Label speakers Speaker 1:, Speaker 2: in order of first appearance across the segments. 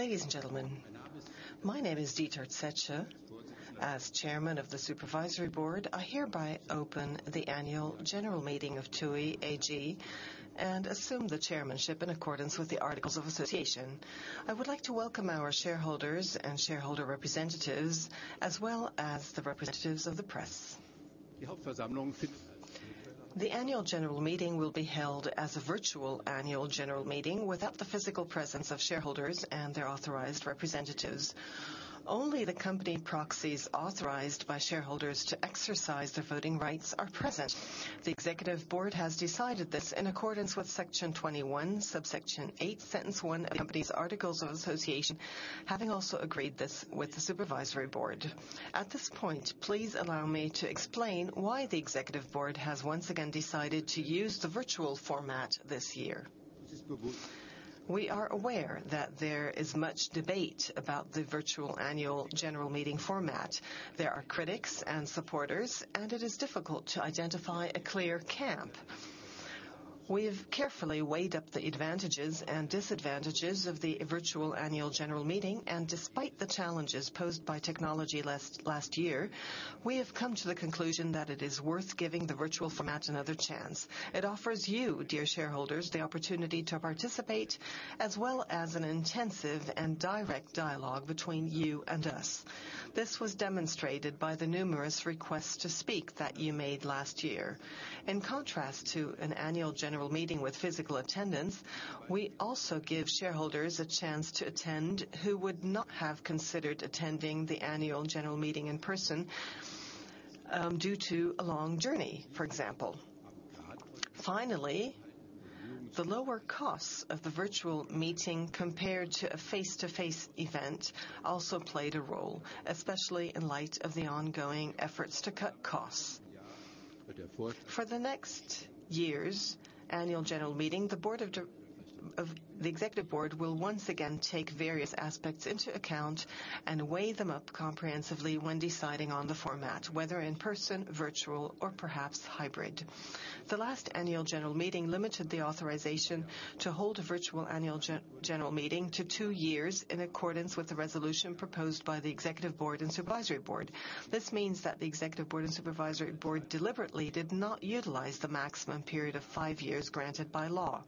Speaker 1: Ladies and gentlemen, my name is Dieter Zetsche. As Chairman of the supervisory board, I hereby open the annual general meeting of TUI AG and assume the chairmanship in accordance with the articles of association. I would like to welcome our shareholders and shareholder representatives, as well as the representatives of the press. The annual general meeting will be held as a virtual annual general meeting without the physical presence of shareholders and their authorized representatives. Only the company proxies authorized by shareholders to exercise their voting rights are present. The executive board has decided this in accordance with Section 21, Subsection 8, Sentence 1 of the company's articles of association, having also agreed this with the supervisory board. At this point, please allow me to explain why the executive board has once again decided to use the virtual format this year. We are aware that there is much debate about the virtual annual general meeting format. There are critics and supporters, and it is difficult to identify a clear camp. We have carefully weighed up the advantages and disadvantages of the virtual annual general meeting, and despite the challenges posed by technology last year, we have come to the conclusion that it is worth giving the virtual format another chance. It offers you, dear shareholders, the opportunity to participate, as well as an intensive and direct dialogue between you and us. This was demonstrated by the numerous requests to speak that you made last year. In contrast to an annual general meeting with physical attendance, we also give shareholders a chance to attend who would not have considered attending the annual general meeting in person due to a long journey, for example. Finally, the lower costs of the virtual meeting compared to a face-to-face event also played a role, especially in light of the ongoing efforts to cut costs. For the next year's annual general meeting, the executive board will once again take various aspects into account and weigh them up comprehensively when deciding on the format, whether in person, virtual, or perhaps hybrid. The last annual general meeting limited the authorization to hold a virtual annual general meeting to two years in accordance with the resolution proposed by the executive board and supervisory board. This means that the executive board and supervisory board deliberately did not utilize the maximum period of five years granted by law.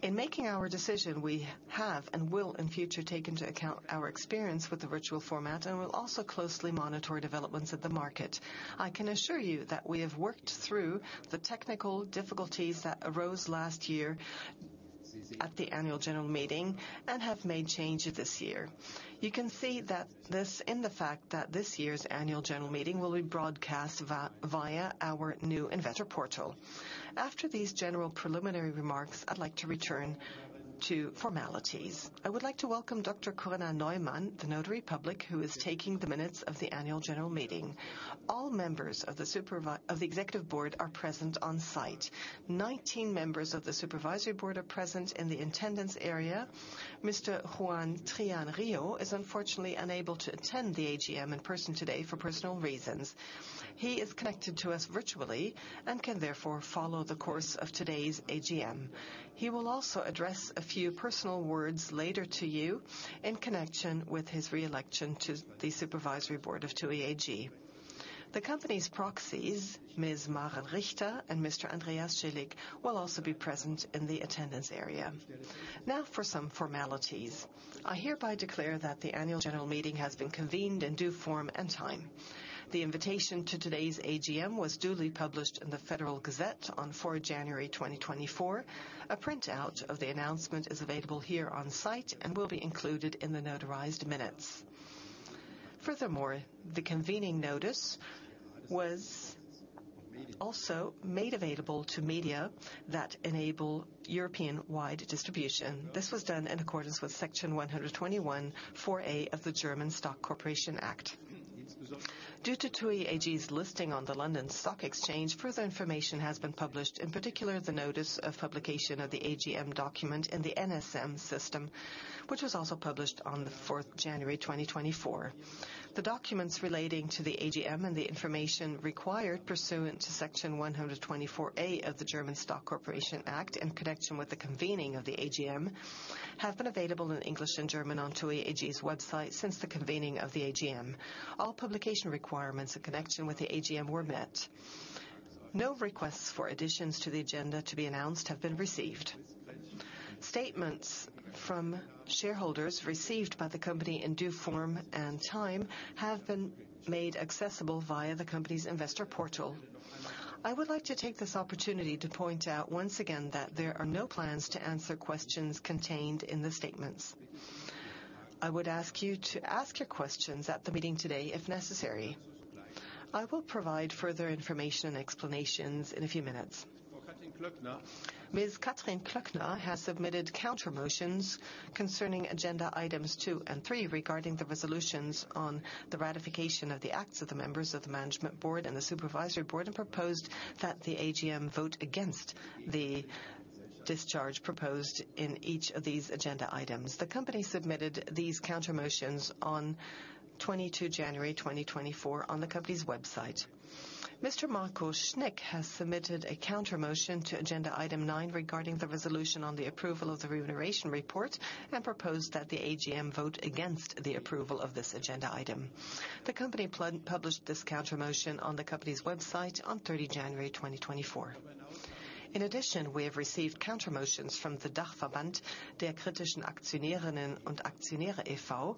Speaker 1: In making our decision, we have and will in future take into account our experience with the virtual format and will also closely monitor developments in the market. I can assure you that we have worked through the technical difficulties that arose last year at the annual general meeting and have made changes this year. You can see this in the fact that this year's annual general meeting will be broadcast via our new investor portal. After these general preliminary remarks, I'd like to return to formalities. I would like to welcome Dr. Corinna Neumann, the notary public, who is taking the minutes of the annual general meeting. All members of the executive board are present on site. 19 members of the supervisory board are present in the attendance area. Mr. Joan Trían Riu is unfortunately unable to attend the AGM in person today for personal reasons. He is connected to us virtually and can therefore follow the course of today's AGM. He will also address a few personal words later to you in connection with his reelection to the supervisory board of TUI AG. The company's proxies, Ms. Maren Richter and Mr. Andreas Schilling, will also be present in the attendance area. Now for some formalities. I hereby declare that the annual general meeting has been convened in due form and time. The invitation to today's AGM was duly published in the Federal Gazette on 4 January 2024. A printout of the announcement is available here on site and will be included in the notarized minutes. Furthermore, the convening notice was also made available to media that enable European-wide distribution. This was done in accordance with Section 121(4)(a) of the German Stock Corporation Act. Due to TUI AG's listing on the London Stock Exchange, further information has been published, in particular the notice of publication of the AGM document in the NSM system, which was also published on the 4th January 2024. The documents relating to the AGM and the information required pursuant to Section 124(a) of the German Stock Corporation Act in connection with the convening of the AGM have been available in English and German on TUI AG's website since the convening of the AGM. All publication requirements in connection with the AGM were met. No requests for additions to the agenda to be announced have been received. Statements from shareholders received by the company in due form and time have been made accessible via the company's investor portal. I would like to take this opportunity to point out once again that there are no plans to answer questions contained in the statements. I would ask you to ask your questions at the meeting today if necessary. I will provide further information and explanations in a few minutes. Ms. Katrin Klöckner has submitted countermotions concerning agenda items two and three regarding the resolutions on the ratification of the acts of the members of the management board and the supervisory board and proposed that the AGM vote against the discharge proposed in each of these agenda items. The company submitted these countermotions on 22 January 2024 on the company's website. Mr. Markus Schnick has submitted a countermotion to agenda item nine regarding the resolution on the approval of the remuneration report and proposed that the AGM vote against the approval of this agenda item. The company published this countermotion on the company's website on 30 January 2024. In addition, we have received countermotions from the Dachverband der Kritischen Aktionärinnen und Aktionäre e.V.,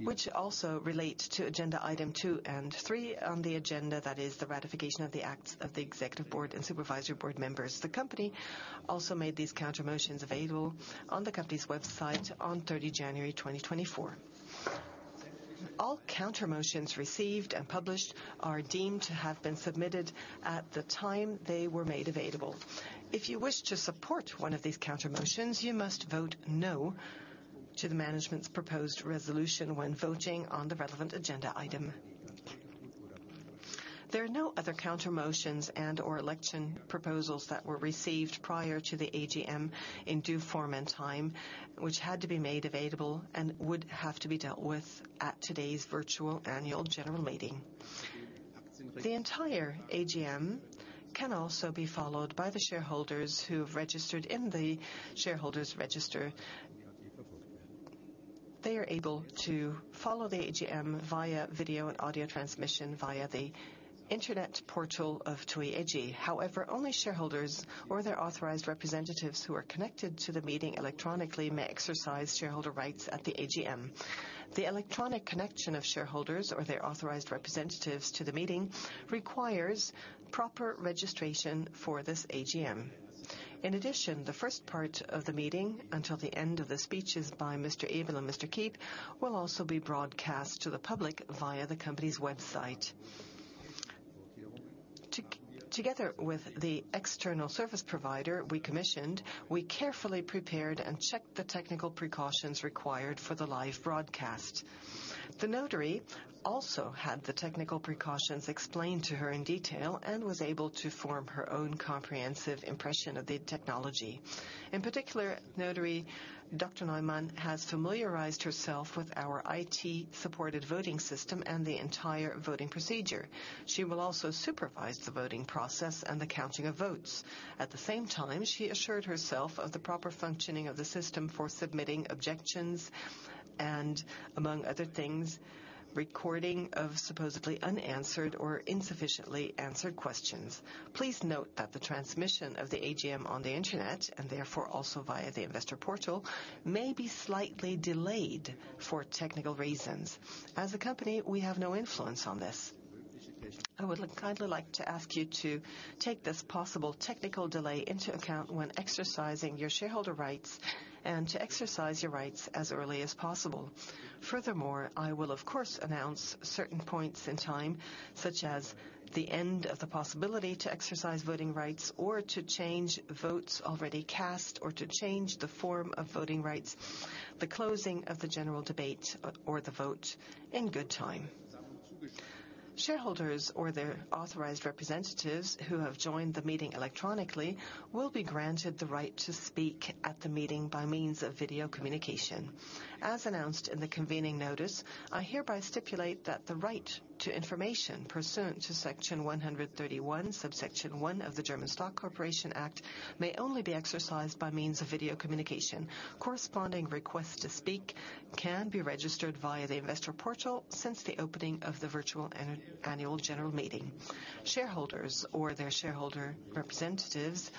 Speaker 1: which also relate to agenda item two and three on the agenda, that is, the ratification of the acts of the executive board and supervisory board members. The company also made these countermotions available on the company's website on 30 January 2024. All countermotions received and published are deemed to have been submitted at the time they were made available. If you wish to support one of these countermotions, you must vote no to the management's proposed resolution when voting on the relevant agenda item. There are no other countermotions and/or election proposals that were received prior to the AGM in due form and time, which had to be made available and would have to be dealt with at today's virtual annual general meeting. The entire AGM can also be followed by the shareholders who have registered in the shareholders' register. They are able to follow the AGM via video and audio transmission via the internet portal of TUI AG. However, only shareholders or their authorized representatives who are connected to the meeting electronically may exercise shareholder rights at the AGM. The electronic connection of shareholders or their authorized representatives to the meeting requires proper registration for this AGM. In addition, the first part of the meeting, until the end of the speeches by Mr. Ebel and Mr. Kiep, will also be broadcast to the public via the company's website. Together with the external service provider we commissioned, we carefully prepared and checked the technical precautions required for the live broadcast. The notary also had the technical precautions explained to her in detail and was able to form her own comprehensive impression of the technology. In particular, notary Dr. Neumann has familiarized herself with our IT-supported voting system and the entire voting procedure. She will also supervise the voting process and the counting of votes. At the same time, she assured herself of the proper functioning of the system for submitting objections and, among other things, recording of supposedly unanswered or insufficiently answered questions. Please note that the transmission of the AGM on the internet, and therefore also via the investor portal, may be slightly delayed for technical reasons. As a company, we have no influence on this. I would kindly like to ask you to take this possible technical delay into account when exercising your shareholder rights and to exercise your rights as early as possible. Furthermore, I will, of course, announce certain points in time, such as the end of the possibility to exercise voting rights or to change votes already cast or to change the form of voting rights, the closing of the general debate or the vote in good time. Shareholders or their authorized representatives who have joined the meeting electronically will be granted the right to speak at the meeting by means of video communication. As announced in the convening notice, I hereby stipulate that the right to information pursuant to Section 131, subsection 1 of the German Stock Corporation Act may only be exercised by means of video communication. Corresponding requests to speak can be registered via the investor portal since the opening of the virtual annual general meeting. Shareholders or their shareholder representatives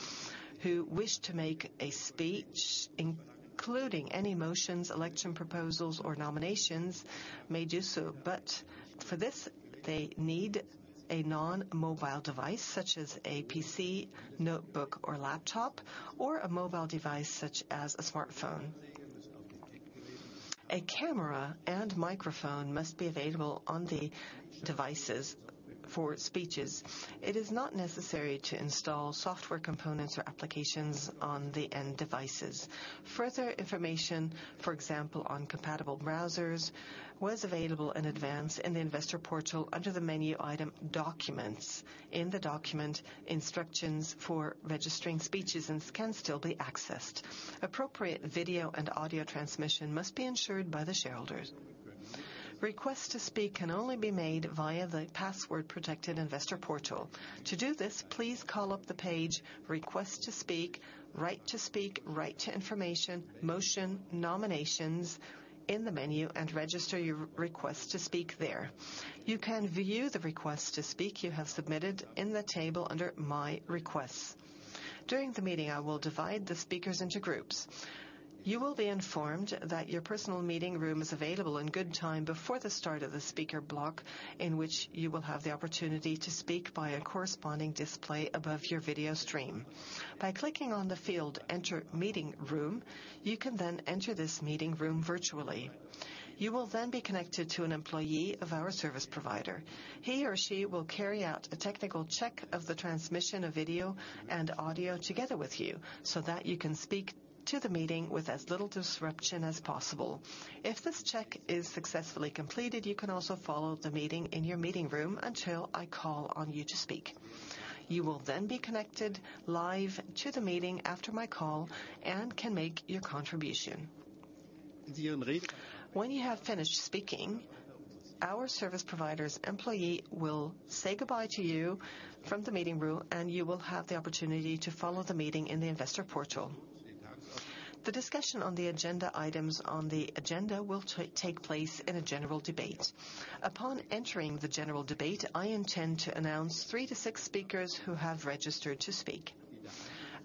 Speaker 1: who wish to make a speech, including any motions, election proposals, or nominations, may do so, but for this, they need a non-mobile device such as a PC, notebook, or laptop, or a mobile device such as a smartphone. A camera and microphone must be available on the devices for speeches. It is not necessary to install software components or applications on the end devices. Further information, for example, on compatible browsers, was available in advance in the investor portal under the menu item Documents. In the document, instructions for registering speeches can still be accessed. Appropriate video and audio transmission must be ensured by the shareholders. Requests to speak can only be made via the password-protected investor portal. To do this, please call up the page Request to Speak, Right to Speak, Right to Information, Motion, Nominations in the menu and register your request to speak there. You can view the request to speak you have submitted in the table under My Requests. During the meeting, I will divide the speakers into groups. You will be informed that your personal meeting room is available in good time before the start of the speaker block in which you will have the opportunity to speak via corresponding display above your video stream. By clicking on the field Enter Meeting Room, you can then enter this meeting room virtually. You will then be connected to an employee of our service provider. He or she will carry out a technical check of the transmission of video and audio together with you so that you can speak to the meeting with as little disruption as possible. If this check is successfully completed, you can also follow the meeting in your meeting room until I call on you to speak. You will then be connected live to the meeting after my call and can make your contribution. When you have finished speaking, our service provider's employee will say goodbye to you from the meeting room, and you will have the opportunity to follow the meeting in the investor portal. The discussion on the agenda items on the agenda will take place in a general debate. Upon entering the general debate, I intend to announce three to six speakers who have registered to speak.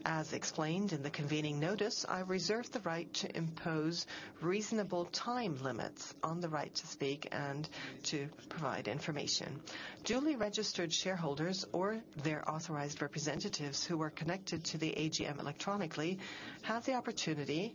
Speaker 1: As explained in the convening notice, I reserve the right to impose reasonable time limits on the right to speak and to provide information. Duly registered shareholders or their authorized representatives who are connected to the AGM electronically have the opportunity,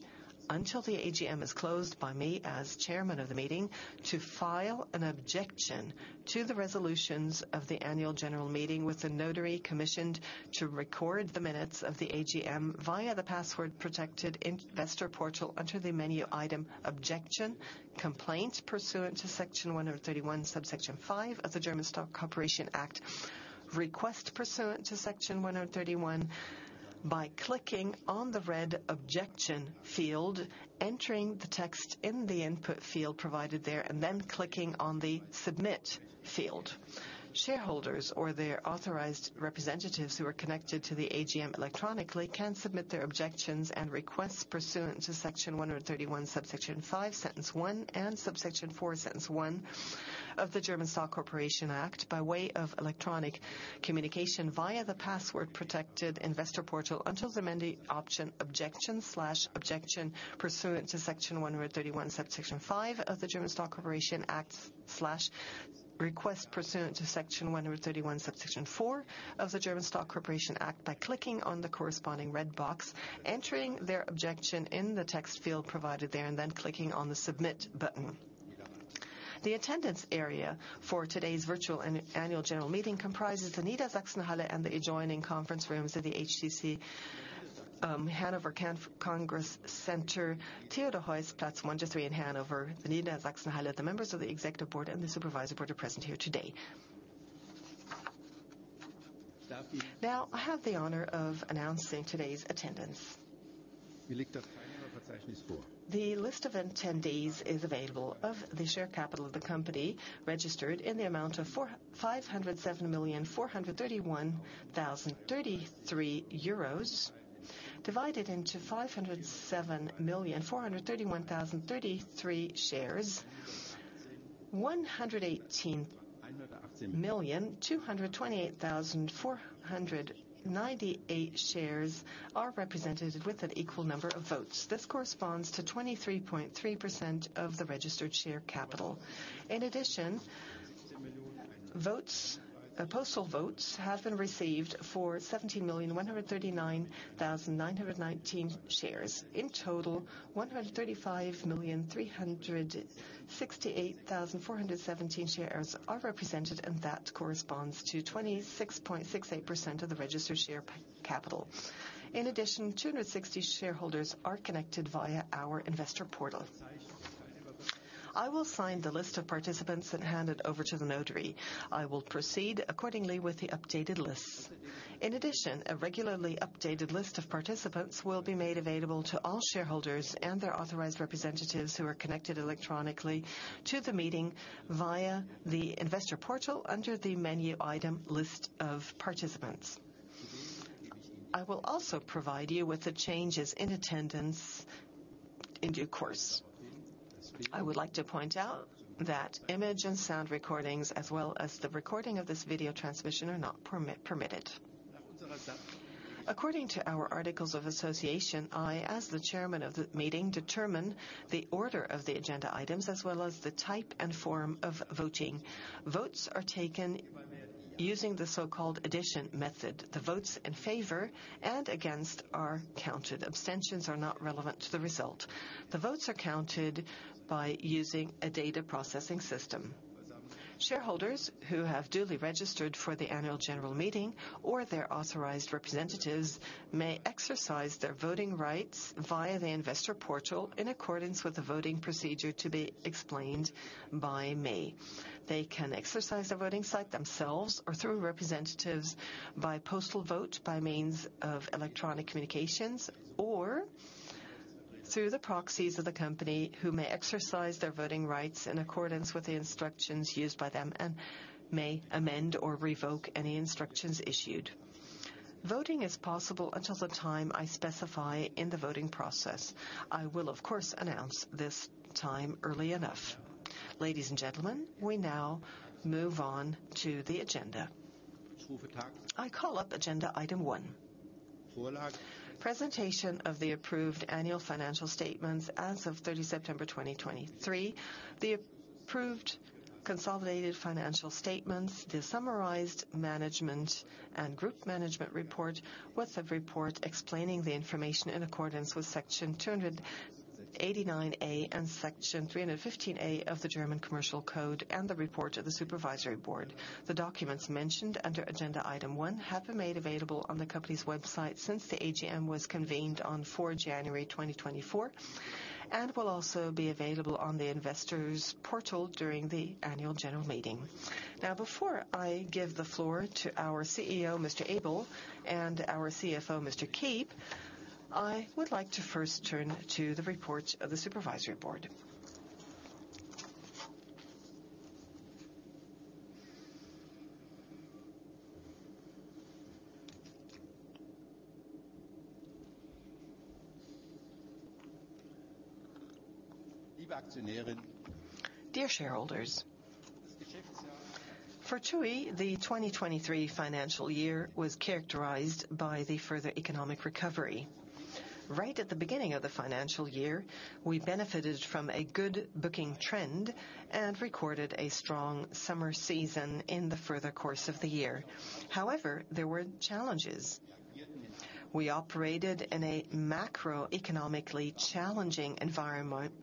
Speaker 1: until the AGM is closed by me as Chairman of the meeting, to file an objection to the resolutions of the annual general meeting with the notary commissioned to record the minutes of the AGM via the password-protected investor portal under the menu item Objection, Complaint pursuant to Section 131, subsection 5 of the German Stock Corporation Act, Request pursuant to Section 131, by clicking on the red Objection field, entering the text in the input field provided there, and then clicking on the Submit field. Shareholders or their authorized representatives who are connected to the AGM electronically can submit their objections and requests pursuant to Section 131, subsection 5, Sentence 1, and subsection 4, Sentence 1 of the German Stock Corporation Act by way of electronic communication via the password-protected investor portal until the menu option Objection/Objection pursuant to Section 131, subsection 5 of the German Stock Corporation Act/Request pursuant to Section 131, subsection 4 of the German Stock Corporation Act by clicking on the corresponding red box, entering their objection in the text field provided there, and then clicking on the Submit button. The attendance area for today's virtual annual general meeting comprises the Niedersachsenhalle and the adjoining conference rooms of the HCC Hannover Congress Centrum, Theodor-Heuss-Platz one to three in Hanover, the Niedersachsenhalle, the members of the executive board, and the supervisory board are present here today. Now, I have the honor of announcing today's attendance. The list of attendees is available. Of the share capital of the company registered in the amount of 507,431,033 euros, divided into 507,431,033 shares. 118,228,498 shares are represented with an equal number of votes. This corresponds to 23.3% of the registered share capital. In addition, postal votes have been received for 17,139,919 shares. In total, 135,368,417 shares are represented, and that corresponds to 26.68% of the registered share capital. In addition, 260 shareholders are connected via our investor portal. I will sign the list of participants and hand it over to the notary. I will proceed accordingly with the updated lists. In addition, a regularly updated list of participants will be made available to all shareholders and their authorized representatives who are connected electronically to the meeting via the investor portal under the menu item List of Participants. I will also provide you with the changes in attendance in due course. I would like to point out that image and sound recordings, as well as the recording of this video transmission, are not permitted. According to our articles of association, I, as the chairman of the meeting, determine the order of the agenda items as well as the type and form of voting. Votes are taken using the so-called addition method. The votes in favor and against are counted. Abstentions are not relevant to the result. The votes are counted by using a data processing system. Shareholders who have duly registered for the annual general meeting or their authorized representatives may exercise their voting rights via the investor portal in accordance with the voting procedure to be explained by me. They can exercise the voting rights themselves or through representatives by postal vote by means of electronic communications or through the proxies of the company, who may exercise their voting rights in accordance with the instructions used by them and may amend or revoke any instructions issued. Voting is possible until the time I specify in the voting process. I will, of course, announce this time early enough. Ladies and gentlemen, we now move on to the agenda. I call up agenda item one. Presentation of the approved annual financial statements as of 30 September 2023. The approved consolidated financial statements, the summarized management and group management report, with the report explaining the information in accordance with Section 289A and Section 315A of the German Commercial Code and the report of the supervisory board. The documents mentioned under agenda item one have been made available on the company's website since the AGM was convened on 4 January 2024 and will also be available on the investors' portal during the annual general meeting. Now, before I give the floor to our CEO, Mr. Ebel, and our CFO, Mr. Kiep, I would like to first turn to the report of the supervisory board. Dear shareholders, for TUI, the 2023 financial year was characterized by the further economic recovery. Right at the beginning of the financial year, we benefited from a good booking trend and recorded a strong summer season in the further course of the year. However, there were challenges. We operated in a macroeconomically challenging environment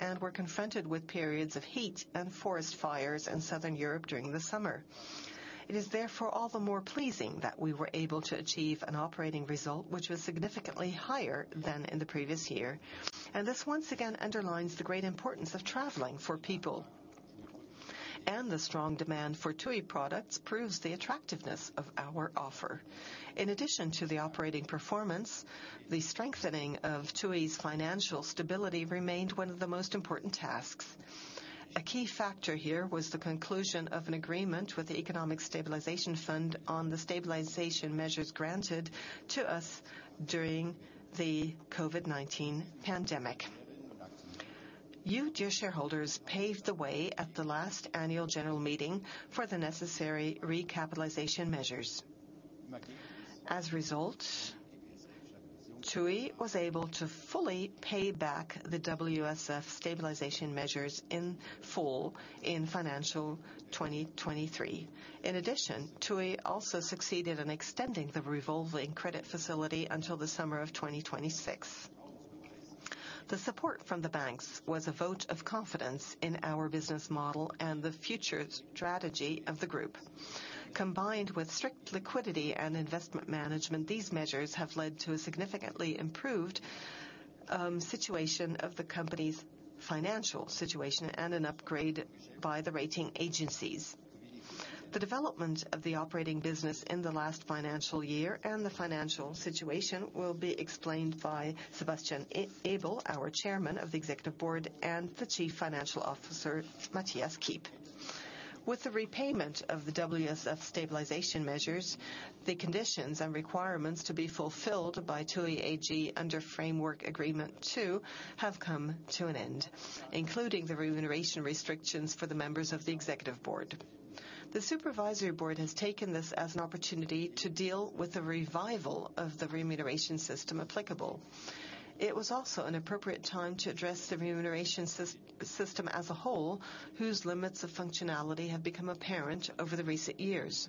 Speaker 1: and were confronted with periods of heat and forest fires in Southern Europe during the summer. It is therefore all the more pleasing that we were able to achieve an operating result which was significantly higher than in the previous year, and this once again underlines the great importance of traveling for people. The strong demand for TUI products proves the attractiveness of our offer. In addition to the operating performance, the strengthening of TUI's financial stability remained one of the most important tasks. A key factor here was the conclusion of an agreement with the Economic Stabilization Fund on the stabilization measures granted to us during the COVID-19 pandemic. You, dear shareholders, paved the way at the last annual general meeting for the necessary recapitalization measures. As a result, TUI was able to fully pay back the WSF stabilization measures in full in financial 2023. In addition, TUI also succeeded in extending the revolving credit facility until the summer of 2026. The support from the banks was a vote of confidence in our business model and the future strategy of the group. Combined with strict liquidity and investment management, these measures have led to a significantly improved situation of the company's financial situation and an upgrade by the rating agencies. The development of the operating business in the last financial year and the financial situation will be explained by Sebastian Ebel, our Chairman of the executive board, and the Chief Financial Officer, Mathias Kiep. With the repayment of the WSF stabilization measures, the conditions and requirements to be fulfilled by TUI AG under Framework Agreement 2 have come to an end, including the remuneration restrictions for the members of the executive board. The supervisory board has taken this as an opportunity to deal with the revival of the remuneration system applicable. It was also an appropriate time to address the remuneration system as a whole, whose limits of functionality have become apparent over the recent years.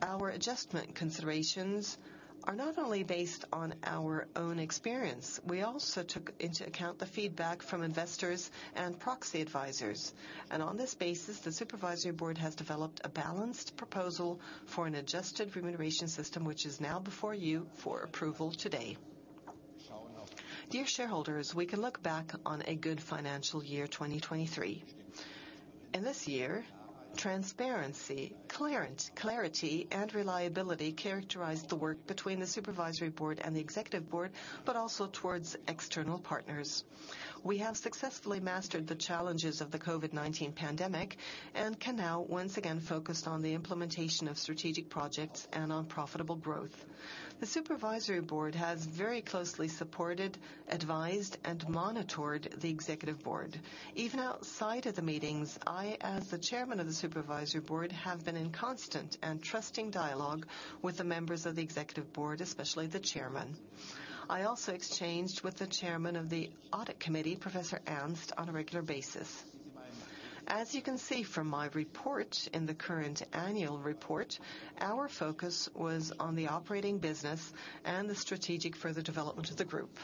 Speaker 1: Our adjustment considerations are not only based on our own experience. We also took into account the feedback from investors and proxy advisors. On this basis, the supervisory board has developed a balanced proposal for an adjusted remuneration system which is now before you for approval today. Dear shareholders, we can look back on a good financial year 2023. In this year, transparency, clarity, and reliability characterized the work between the supervisory board and the executive board, but also towards external partners. We have successfully mastered the challenges of the COVID-19 pandemic and can now once again focus on the implementation of strategic projects and on profitable growth. The supervisory board has very closely supported, advised, and monitored the executive board. Even outside of the meetings, I, as the Chairman of the supervisory board, have been in constant and trusting dialogue with the members of the executive board, especially the Chairman. I also exchanged with the Chairman of the audit committee, Professor Ernst, on a regular basis. As you can see from my report in the current annual report, our focus was on the operating business and the strategic further development of the group.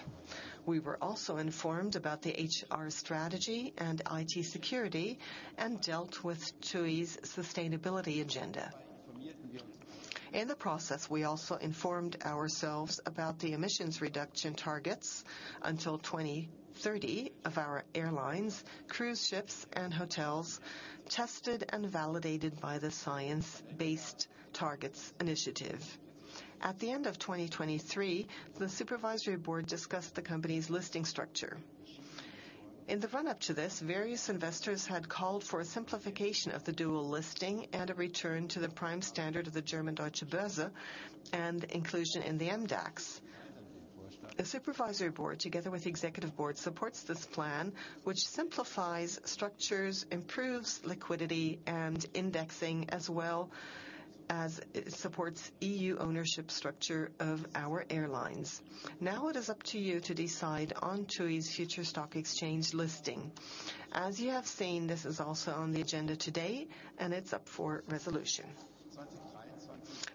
Speaker 1: We were also informed about the HR strategy and IT security and dealt with TUI's sustainability agenda. In the process, we also informed ourselves about the emissions reduction targets until 2030 of our airlines, cruise ships, and hotels tested and validated by the Science Based Targets initiative. At the end of 2023, the supervisory board discussed the company's listing structure. In the run-up to this, various investors had called for a simplification of the dual listing and a return to the Prime Standard of the German Deutsche Börse and inclusion in the MDAX. The supervisory board, together with the executive board, supports this plan which simplifies structures, improves liquidity, and indexing, as well as supports EU ownership structure of our airlines. Now it is up to you to decide on TUI's future stock exchange listing. As you have seen, this is also on the agenda today, and it's up for resolution.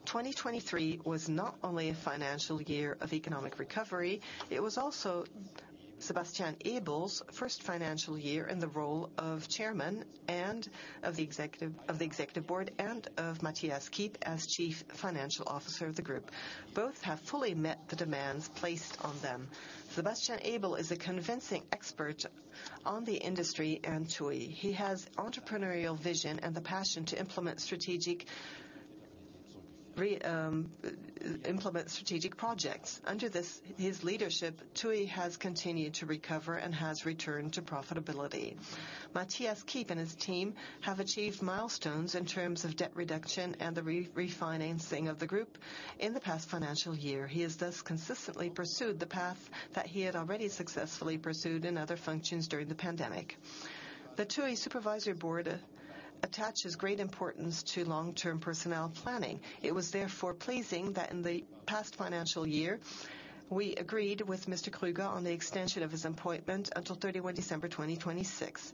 Speaker 1: 2023 was not only a financial year of economic recovery, it was also Sebastian Ebel's first financial year in the role of Chairman of the executive board and of Mathias Kiep as Chief Financial Officer of the group. Both have fully met the demands placed on them. Sebastian Ebel is a convincing expert on the industry and TUI. He has entrepreneurial vision and the passion to implement strategic projects. Under his leadership, TUI has continued to recover and has returned to profitability. Mathias Kiep and his team have achieved milestones in terms of debt reduction and the refinancing of the group in the past financial year. He has thus consistently pursued the path that he had already successfully pursued in other functions during the pandemic. The TUI supervisory board attaches great importance to long-term personnel planning. It was therefore pleasing that in the past financial year, we agreed with Mr. Krueger on the extension of his appointment until 31 December 2026.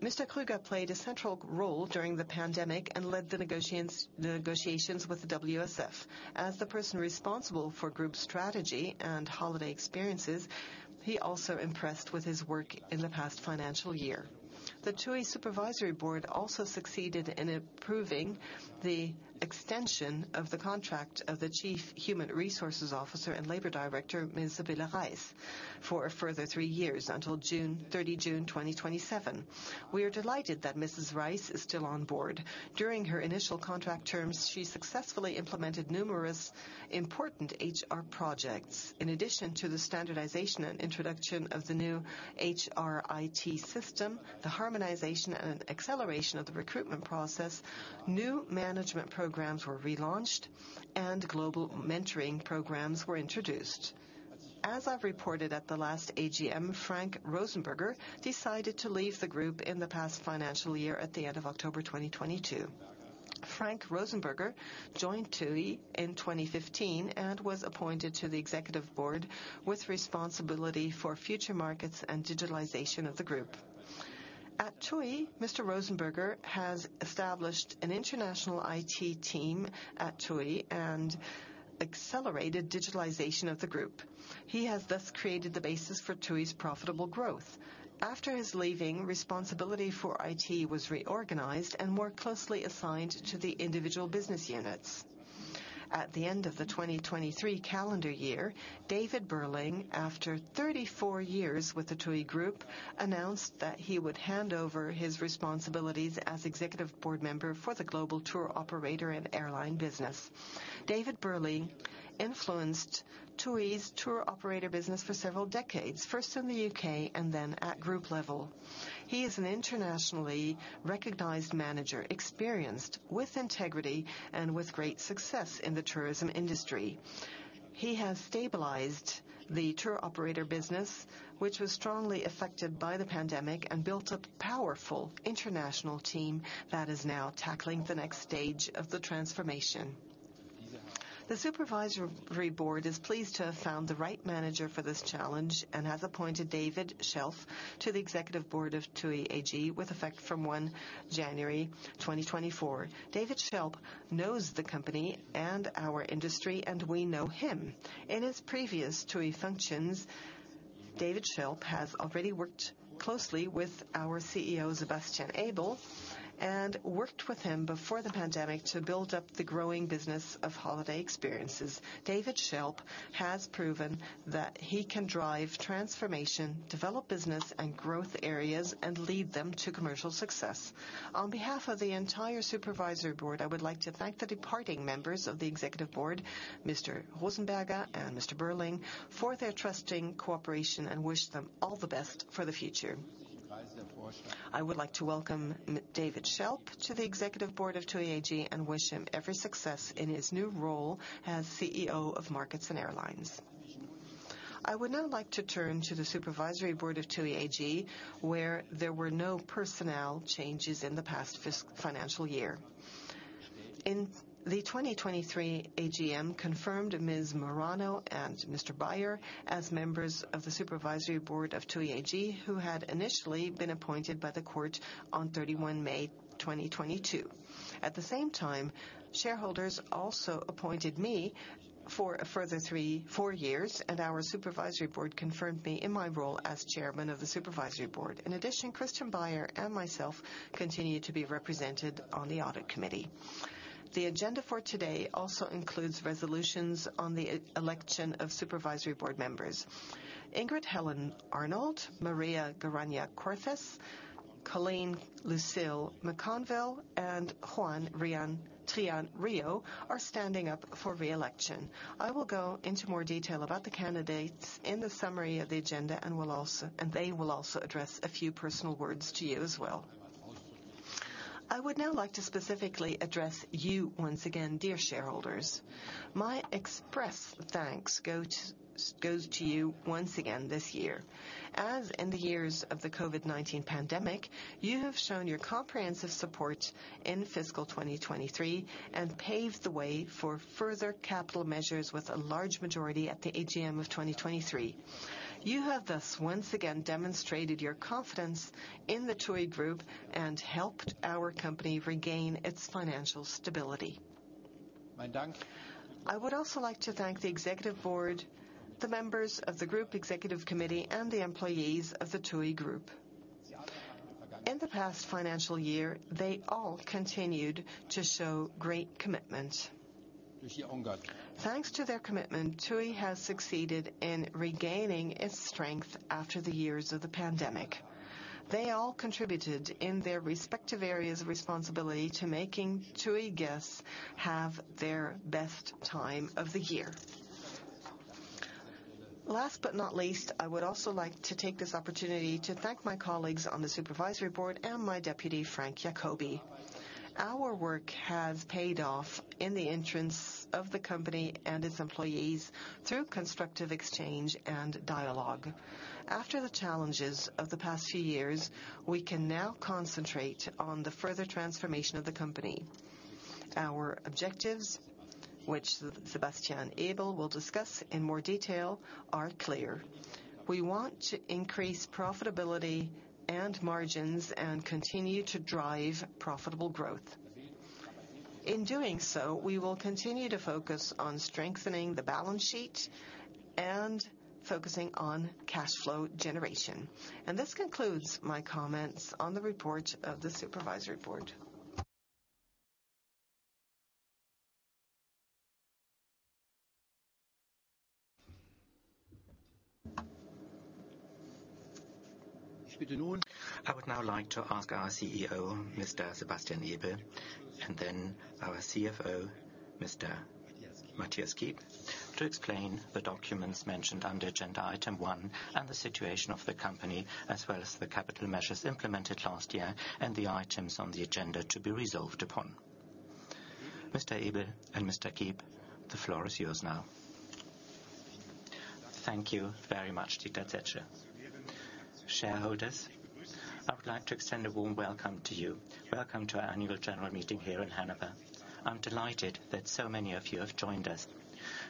Speaker 1: Mr. Krueger played a central role during the pandemic and led the negotiations with the WSF. As the person responsible for group strategy and holiday experiences, he also impressed with his work in the past financial year. The TUI supervisory board also succeeded in approving the extension of the contract of the Chief Human Resources Officer and Labor Director, Sybille Reiß, for a further three years until 30 June 2027. We are delighted that Mrs. Reiß is still on board. During her initial contract terms, she successfully implemented numerous important HR projects. In addition to the standardization and introduction of the new HR-IT system, the harmonization and acceleration of the recruitment process, new management programs were relaunched, and global mentoring programs were introduced. As I've reported at the last AGM, Frank Rosenberger decided to leave the group in the past financial year at the end of October 2022. Frank Rosenberger joined TUI in 2015 and was appointed to the executive board with responsibility for future markets and digitalization of the group. At TUI, Mr. Rosenberger has established an international IT team at TUI and accelerated digitalization of the group. He has thus created the basis for TUI's profitable growth. After his leaving, responsibility for IT was reorganized and more closely assigned to the individual business units. At the end of the 2023 calendar year, David Burling, after 34 years with the TUI Group, announced that he would hand over his responsibilities as executive board member for the global tour operator and airline business. David Burling influenced TUI's tour operator business for several decades, first in the U.K. and then at group level. He is an internationally recognized manager, experienced with integrity and with great success in the tourism industry. He has stabilized the tour operator business, which was strongly affected by the pandemic, and built a powerful international team that is now tackling the next stage of the transformation. The supervisory board is pleased to have found the right manager for this challenge and has appointed David Schelp to the executive board of TUI AG with effect from 1 January 2024. David Schelp knows the company and our industry, and we know him. In his previous TUI functions, David Schelp has already worked closely with our CEO, Sebastian Ebel, and worked with him before the pandemic to build up the growing business of holiday experiences. David Schelp has proven that he can drive transformation, develop business and growth areas, and lead them to commercial success. On behalf of the entire supervisory board, I would like to thank the departing members of the executive board, Mr. Rosenberger and Mr. Burling, for their trusting cooperation and wish them all the best for the future. I would like to welcome David Schelp to the executive board of TUI AG and wish him every success in his new role as CEO of Markets and Airlines. I would now like to turn to the supervisory board of TUI AG, where there were no personnel changes in the past financial year. In the 2023 AGM, confirmed Ms. Murano and Mr. Baier as members of the supervisory board of TUI AG, who had initially been appointed by the court on 31 May 2022. At the same time, shareholders also appointed me for a further four years, and our supervisory board confirmed me in my role as Chairman of the supervisory board. In addition, Christian Baier and myself continue to be represented on the audit committee. The agenda for today also includes resolutions on the election of supervisory board members. Ingrid-Helen Arnold, María Garaña Corces, Coline McConville, and Joan Trían Riu are standing up for reelection. I will go into more detail about the candidates in the summary of the agenda, and they will also address a few personal words to you as well. I would now like to specifically address you once again, dear shareholders. My express thanks goes to you once again this year. As in the years of the COVID-19 pandemic, you have shown your comprehensive support in fiscal 2023 and paved the way for further capital measures with a large majority at the AGM of 2023. You have thus once again demonstrated your confidence in the TUI Group and helped our company regain its financial stability. I would also like to thank the executive board, the members of the group executive committee, and the employees of the TUI group. In the past financial year, they all continued to show great commitment. Thanks to their commitment, TUI has succeeded in regaining its strength after the years of the pandemic. They all contributed in their respective areas of responsibility to making TUI guests have their best time of the year. Last but not least, I would also like to take this opportunity to thank my colleagues on the supervisory board and my deputy, Frank Jakobi. Our work has paid off in the interests of the company and its employees through constructive exchange and dialogue. After the challenges of the past few years, we can now concentrate on the further transformation of the company. Our objectives, which Sebastian Ebel will discuss in more detail, are clear. We want to increase profitability and margins and continue to drive profitable growth. In doing so, we will continue to focus on strengthening the balance sheet and focusing on cash flow generation. This concludes my comments on the report of the supervisory board. I would now like to ask our CEO, Mr. Sebastian Ebel, and then our CFO, Mr. Mathias Kiep, to explain the documents mentioned under agenda item one and the situation of the company, as well as the capital measures implemented last year and the items on the agenda to be resolved upon. Mr. Ebel and Mr. Kiep, the floor is yours now.
Speaker 2: Thank you very much, Dieter Zetsche. Shareholders, I would like to extend a warm welcome to you. Welcome to our annual general meeting here in Hanover. I'm delighted that so many of you have joined us.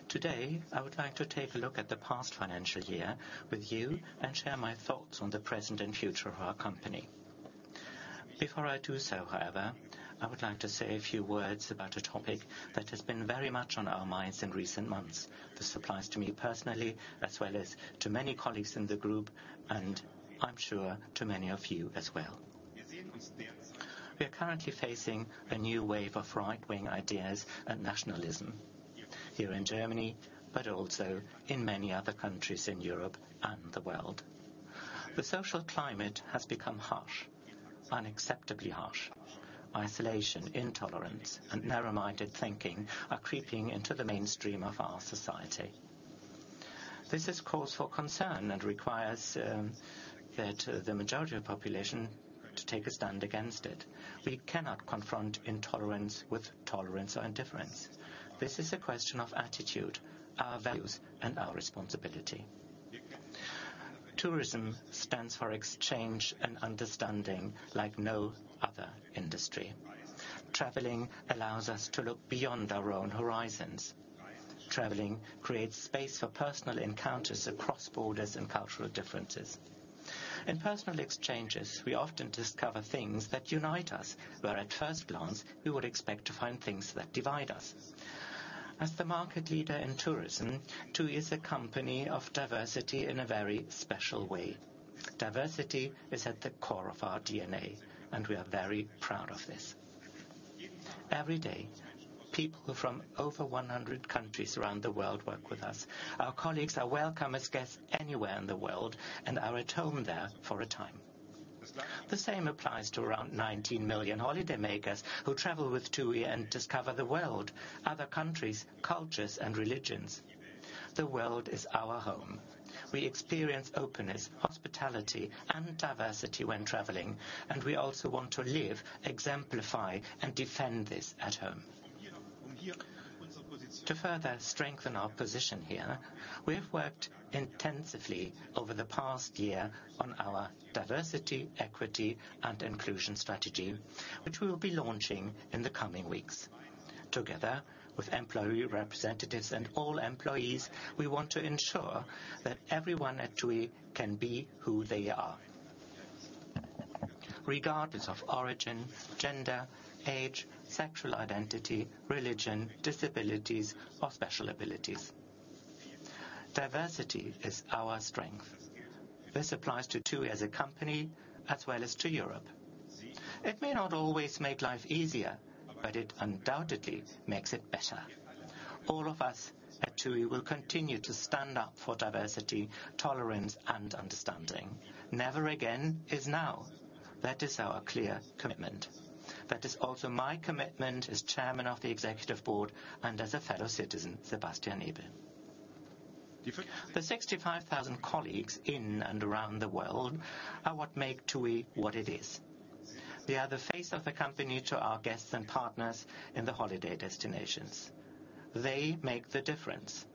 Speaker 2: Today, I would like to take a look at the past financial year with you and share my thoughts on the present and future of our company. Before I do so, however, I would like to say a few words about a topic that has been very much on our minds in recent months. This applies to me personally, as well as to many colleagues in the group, and I'm sure to many of you as well. We are currently facing a new wave of right-wing ideas and nationalism here in Germany, but also in many other countries in Europe and the world. The social climate has become harsh, unacceptably harsh. Isolation, intolerance, and narrow-minded thinking are creeping into the mainstream of our society. This has caused concern and requires the majority of the population to take a stand against it. We cannot confront intolerance with tolerance or indifference. This is a question of attitude, our values, and our responsibility. Tourism stands for exchange and understanding like no other industry. Traveling allows us to look beyond our own horizons. Traveling creates space for personal encounters across borders and cultural differences. In personal exchanges, we often discover things that unite us, where at first glance, we would expect to find things that divide us. As the market leader in tourism, TUI is a company of diversity in a very special way. Diversity is at the core of our DNA, and we are very proud of this. Every day, people from over 100 countries around the world work with us. Our colleagues are welcome as guests anywhere in the world, and are at home there for a time. The same applies to around 19 million holidaymakers who travel with TUI and discover the world, other countries, cultures, and religions. The world is our home. We experience openness, hospitality, and diversity when traveling, and we also want to live, exemplify, and defend this at home. To further strengthen our position here, we have worked intensively over the past year on our diversity, equity, and inclusion strategy, which we will be launching in the coming weeks. Together with employee representatives and all employees, we want to ensure that everyone at TUI can be who they are, regardless of origin, gender, age, sexual identity, religion, disabilities, or special abilities. Diversity is our strength. This applies to TUI as a company, as well as to Europe. It may not always make life easier, but it undoubtedly makes it better. All of us at TUI will continue to stand up for diversity, tolerance, and understanding. Never again is now. That is our clear commitment. That is also my commitment as Chairman of the executive board and as a fellow citizen, Sebastian Ebel. The 65,000 colleagues in and around the world are what make TUI what it is. They are the face of the company to our guests and partners in the holiday destinations. They make the difference.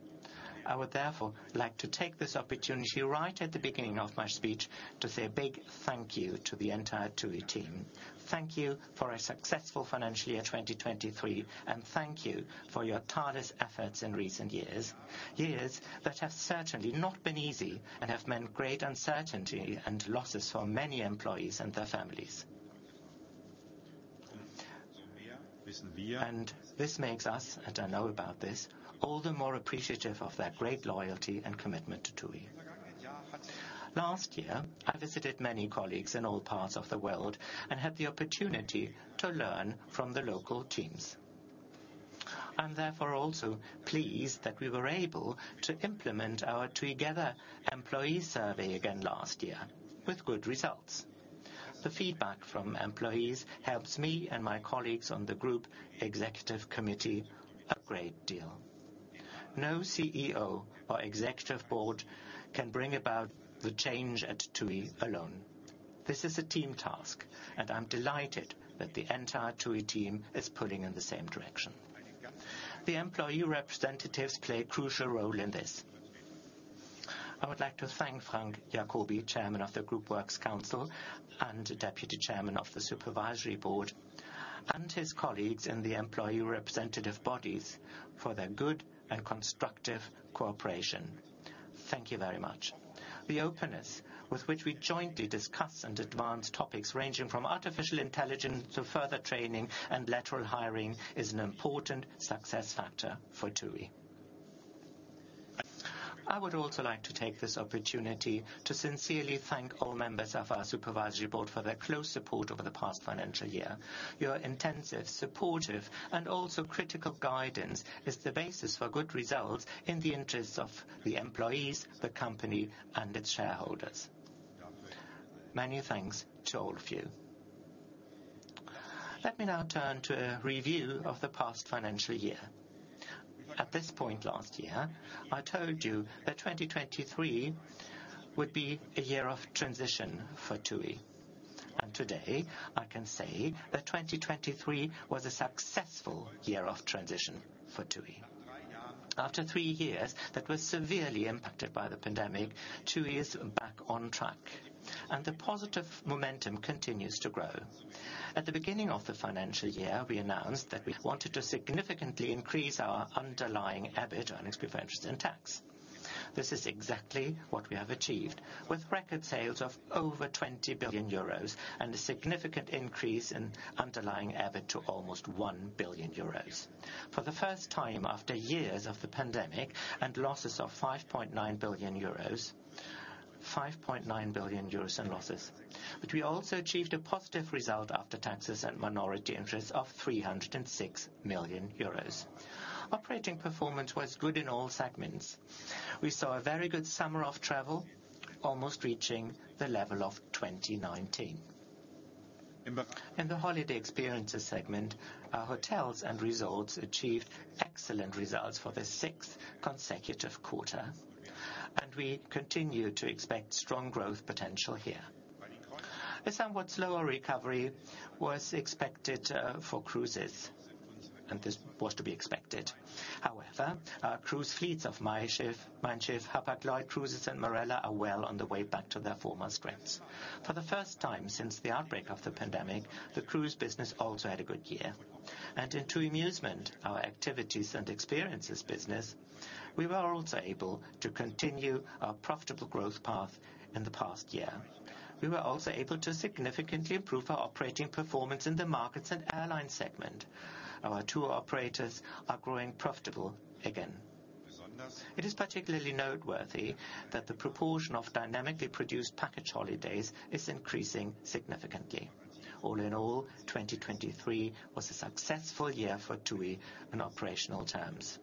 Speaker 2: I would therefore like to take this opportunity right at the beginning of my speech to say a big thank you to the entire TUI team. Thank you for a successful financial year 2023, and thank you for your tireless efforts in recent years, years that have certainly not been easy and have meant great uncertainty and losses for many employees and their families. And this makes us, and I know about this, all the more appreciative of their great loyalty and commitment to TUI. Last year, I visited many colleagues in all parts of the world and had the opportunity to learn from the local teams. I'm therefore also pleased that we were able to implement our TUIgether employee survey again last year with good results. The feedback from employees helps me and my colleagues on the group executive committee a great deal. No CEO or executive board can bring about the change at TUI alone. This is a team task, and I'm delighted that the entire TUI team is pulling in the same direction. The employee representatives play a crucial role in this. I would like to thank Frank Jakobi, Chairman of the group works council and Deputy Chairman of the supervisory board, and his colleagues in the employee representative bodies for their good and constructive cooperation. Thank you very much. The openness with which we jointly discuss and advance topics ranging from artificial intelligence to further training and lateral hiring is an important success factor for TUI. I would also like to take this opportunity to sincerely thank all members of our supervisory board for their close support over the past financial year. Your intensive, supportive, and also critical guidance is the basis for good results in the interests of the employees, the company, and its shareholders. Many thanks to all of you. Let me now turn to a review of the past financial year. At this point last year, I told you that 2023 would be a year of transition for TUI. Today, I can say that 2023 was a successful year of transition for TUI. After three years that were severely impacted by the pandemic, TUI is back on track, and the positive momentum continues to grow. At the beginning of the financial year, we announced that we wanted to significantly increase our underlying EBIT, earnings before interest, and tax. This is exactly what we have achieved, with record sales of over 20 billion euros and a significant increase in underlying EBIT to almost 1 billion euros. For the first time after years of the pandemic and losses of 5.9 billion euros, 5.9 billion euros in losses. But we also achieved a positive result after taxes and minority interests of 306 million euros. Operating performance was good in all segments. We saw a very good summer off travel, almost reaching the level of 2019. In the holiday experiences segment, our hotels and resorts achieved excellent results for the sixth consecutive quarter, and we continue to expect strong growth potential here. A somewhat slower recovery was expected for cruises, and this was to be expected. However, our cruise fleets of Mein Schiff, Hapag-Lloyd Cruises, and Marella are well on the way back to their former strengths. For the first time since the outbreak of the pandemic, the cruise business also had a good year. In TUI Musement, our activities and experiences business, we were also able to continue our profitable growth path in the past year. We were also able to significantly improve our operating performance in the markets and airline segment. Our tour operators are growing profitable again. It is particularly noteworthy that the proportion of dynamically produced package holidays is increasing significantly. All in all, 2023 was a successful year for TUI in operational terms.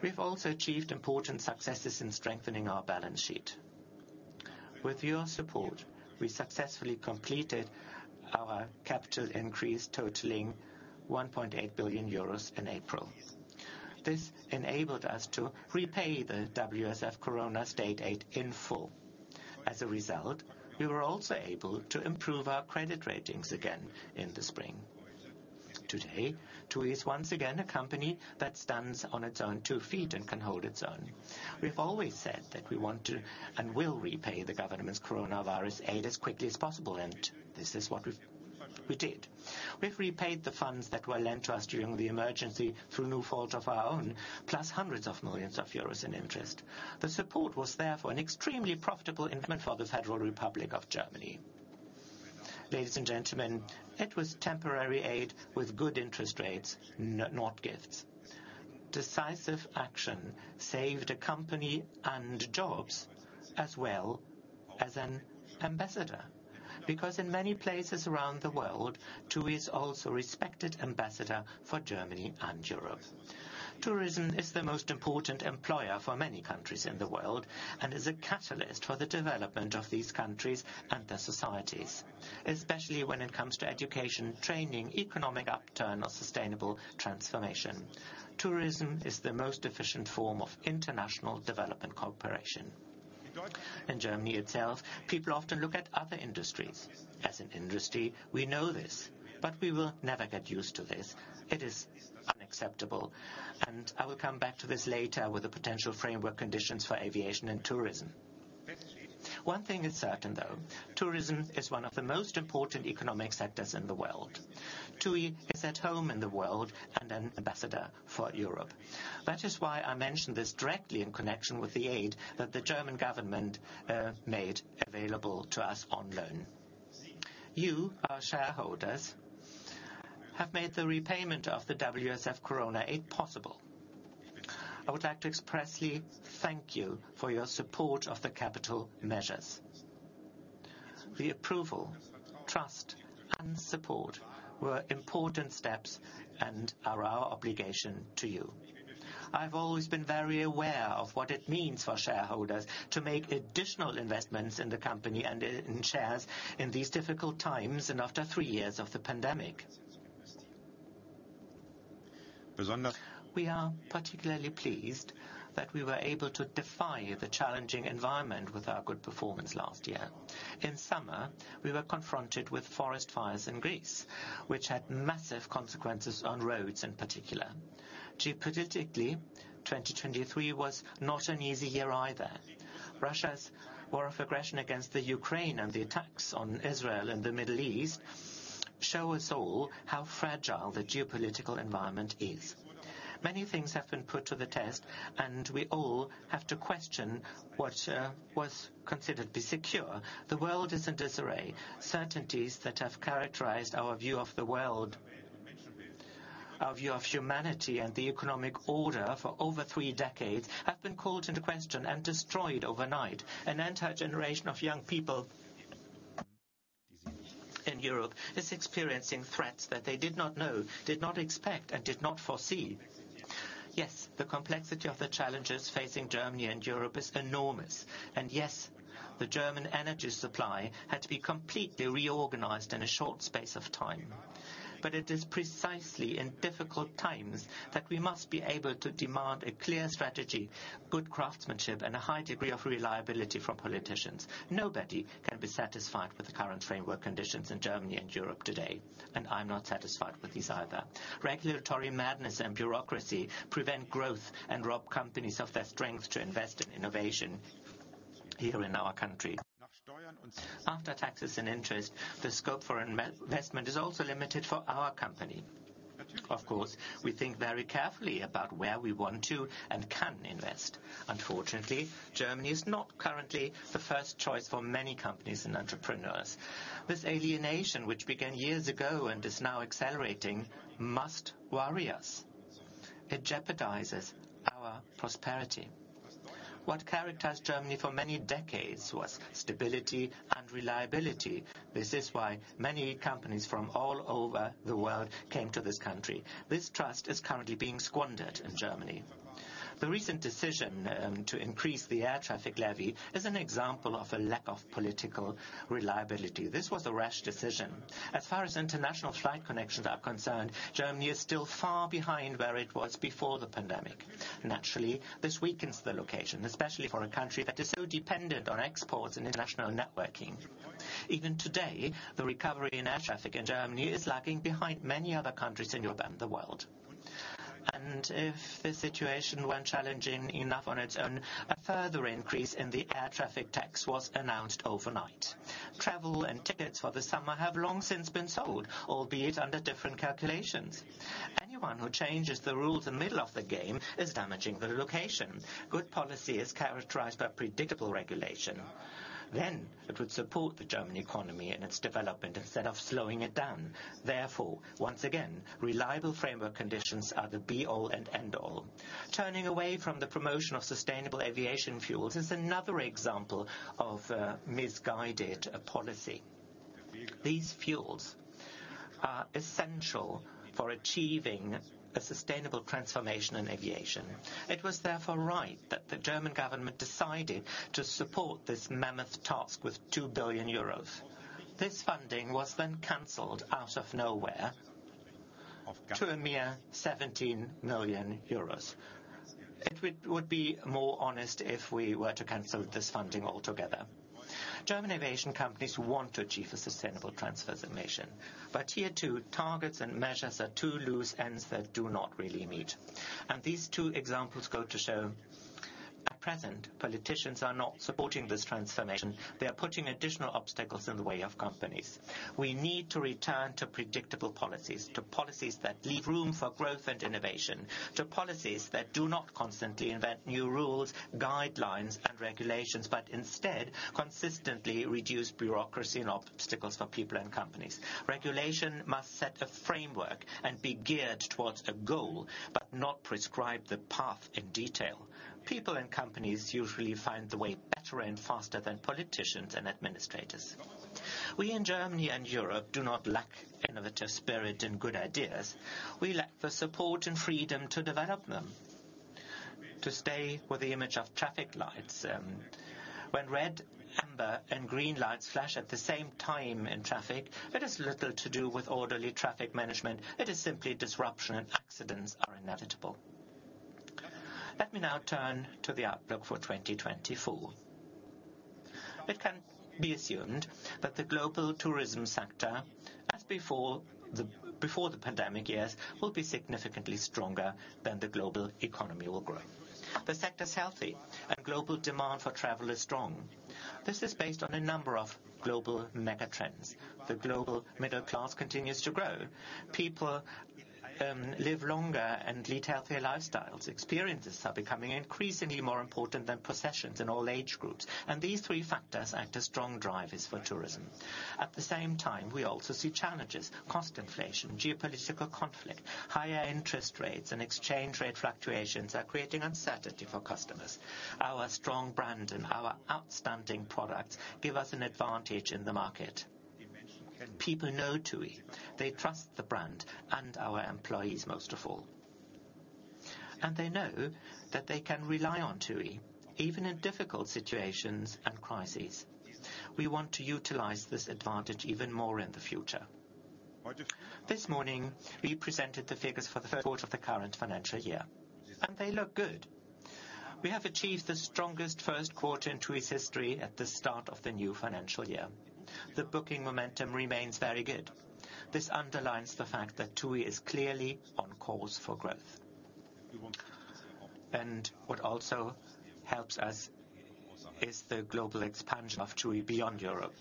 Speaker 2: We have also achieved important successes in strengthening our balance sheet. With your support, we successfully completed our capital increase, totaling 1.8 billion euros in April. This enabled us to repay the WSF Corona State Aid in full. As a result, we were also able to improve our credit ratings again in the spring. Today, TUI is once again a company that stands on its own two feet and can hold its own. We have always said that we want to and will repay the government's coronavirus aid as quickly as possible, and this is what we did. We have repaid the funds that were lent to us during the emergency through no fault of our own, plus hundreds of millions euros in interest. The support was therefore an extremely profitable investment for the Federal Republic of Germany. Ladies and gentlemen, it was temporary aid with good interest rates, not gifts. Decisive action saved a company and jobs, as well as an ambassador, because in many places around the world, TUI is also a respected ambassador for Germany and Europe. Tourism is the most important employer for many countries in the world and is a catalyst for the development of these countries and their societies, especially when it comes to education, training, economic upturn, or sustainable transformation. Tourism is the most efficient form of international development cooperation. In Germany itself, people often look at other industries. As an industry, we know this, but we will never get used to this. It is unacceptable, and I will come back to this later with the potential framework conditions for aviation and tourism. One thing is certain, though. Tourism is one of the most important economic sectors in the world. TUI is at home in the world and an ambassador for Europe. That is why I mentioned this directly in connection with the aid that the German government made available to us on loan. You, our shareholders, have made the repayment of the WSF Corona Aid possible. I would like to expressly thank you for your support of the capital measures. The approval, trust, and support were important steps and are our obligation to you. I have always been very aware of what it means for shareholders to make additional investments in the company and in shares in these difficult times and after three years of the pandemic. We are particularly pleased that we were able to defy the challenging environment with our good performance last year. In summer, we were confronted with forest fires in Greece, which had massive consequences on Rhodes in particular. Geopolitically, 2023 was not an easy year either. Russia's war of aggression against Ukraine and the attacks on Israel in the Middle East show us all how fragile the geopolitical environment is. Many things have been put to the test, and we all have to question what was considered to be secure. The world is in disarray. Certainties that have characterized our view of the world, our view of humanity, and the economic order for over three decades have been called into question and destroyed overnight. An entire generation of young people in Europe is experiencing threats that they did not know, did not expect, and did not foresee. Yes, the complexity of the challenges facing Germany and Europe is enormous. And yes, the German energy supply had to be completely reorganized in a short space of time. But it is precisely in difficult times that we must be able to demand a clear strategy, good craftsmanship, and a high degree of reliability from politicians. Nobody can be satisfied with the current framework conditions in Germany and Europe today, and I'm not satisfied with these either. Regulatory madness and bureaucracy prevent growth and rob companies of their strength to invest in innovation here in our country. After taxes and interest, the scope for investment is also limited for our company. Of course, we think very carefully about where we want to and can invest. Unfortunately, Germany is not currently the first choice for many companies and entrepreneurs. This alienation, which began years ago and is now accelerating, must worry us. It jeopardizes our prosperity. What characterized Germany for many decades was stability and reliability. This is why many companies from all over the world came to this country. This trust is currently being squandered in Germany. The recent decision to increase the air traffic levy is an example of a lack of political reliability. This was a rash decision. As far as international flight connections are concerned, Germany is still far behind where it was before the pandemic. Naturally, this weakens the location, especially for a country that is so dependent on exports and international networking. Even today, the recovery in air traffic in Germany is lagging behind many other countries in Europe and the world. And if this situation weren't challenging enough on its own, a further increase in the air traffic tax was announced overnight. Travel and tickets for the summer have long since been sold, albeit under different calculations. Anyone who changes the rules in the middle of the game is damaging the location. Good policy is characterized by predictable regulation. Then it would support the German economy and its development instead of slowing it down. Therefore, once again, reliable framework conditions are the be-all and end-all. Turning away from the promotion of sustainable aviation fuels is another example of misguided policy. These fuels are essential for achieving a sustainable transformation in aviation. It was therefore right that the German government decided to support this mammoth task with 2 billion euros. This funding was then canceled out of nowhere to a mere 17 million euros. It would be more honest if we were to cancel this funding altogether. German aviation companies want to achieve a sustainable transformation, but tier two targets and measures are two loose ends that do not really meet. And these two examples go to show, at present, politicians are not supporting this transformation. They are putting additional obstacles in the way of companies. We need to return to predictable policies, to policies that leave room for growth and innovation, to policies that do not constantly invent new rules, guidelines, and regulations, but instead consistently reduce bureaucracy and obstacles for people and companies. Regulation must set a framework and be geared towards a goal, but not prescribe the path in detail. People and companies usually find the way better and faster than politicians and administrators. We in Germany and Europe do not lack innovative spirit and good ideas. We lack the support and freedom to develop them. To stay with the image of traffic lights, when red, amber, and green lights flash at the same time in traffic, it has little to do with orderly traffic management. It is simply disruption and accidents are inevitable. Let me now turn to the outlook for 2024. It can be assumed that the global tourism sector, as before the pandemic years, will be significantly stronger than the global economy will grow. The sector is healthy, and global demand for travel is strong. This is based on a number of global megatrends. The global middle class continues to grow. People live longer and lead healthier lifestyles. Experiences are becoming increasingly more important than possessions in all age groups. And these three factors act as strong drivers for tourism. At the same time, we also see challenges: cost inflation, geopolitical conflict, higher interest rates, and exchange rate fluctuations are creating uncertainty for customers. Our strong brand and our outstanding products give us an advantage in the market. People know TUI. They trust the brand and our employees, most of all. And they know that they can rely on TUI even in difficult situations and crises. We want to utilize this advantage even more in the future. This morning, we presented the figures for the first quarter of the current financial year, and they look good. We have achieved the strongest first quarter in TUI's history at the start of the new financial year. The booking momentum remains very good. This underlines the fact that TUI is clearly on course for growth. And what also helps us is the global expansion of TUI beyond Europe.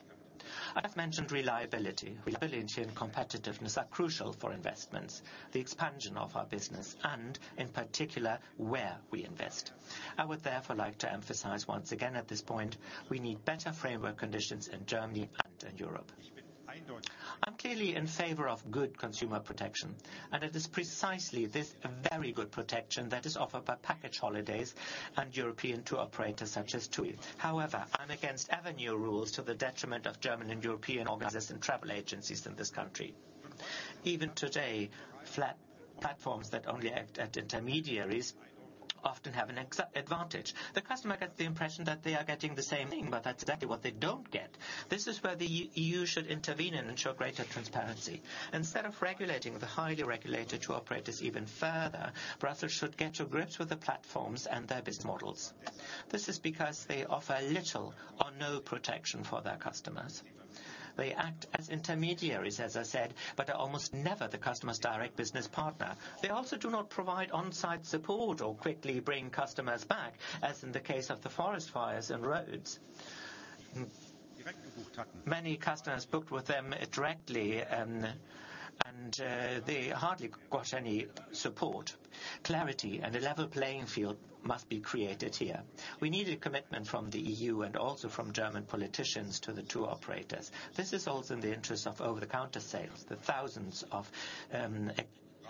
Speaker 2: I have mentioned reliability. Reliability and competitiveness are crucial for investments, the expansion of our business, and in particular, where we invest. I would therefore like to emphasize once again at this point, we need better framework conditions in Germany and in Europe. I'm clearly in favor of good consumer protection, and it is precisely this very good protection that is offered by package holidays and European tour operators such as TUI. However, I'm against any new rules to the detriment of German and European organizers and travel agencies in this country. Even today, platforms that only act as intermediaries often have an advantage. The customer gets the impression that they are getting the same thing, but that's exactly what they don't get. This is where the E.U. should intervene and ensure greater transparency. Instead of regulating the highly regulated tour operators even further, Brussels should get to grips with the platforms and their business models. This is because they offer little or no protection for their customers. They act as intermediaries, as I said, but are almost never the customer's direct business partner. They also do not provide on-site support or quickly bring customers back, as in the case of the forest fires and roads. Many customers booked with them directly, and they hardly got any support. Clarity and a level playing field must be created here. We need a commitment from the E.U. and also from German politicians to the tour operators. This is also in the interest of over-the-counter sales, the thousands of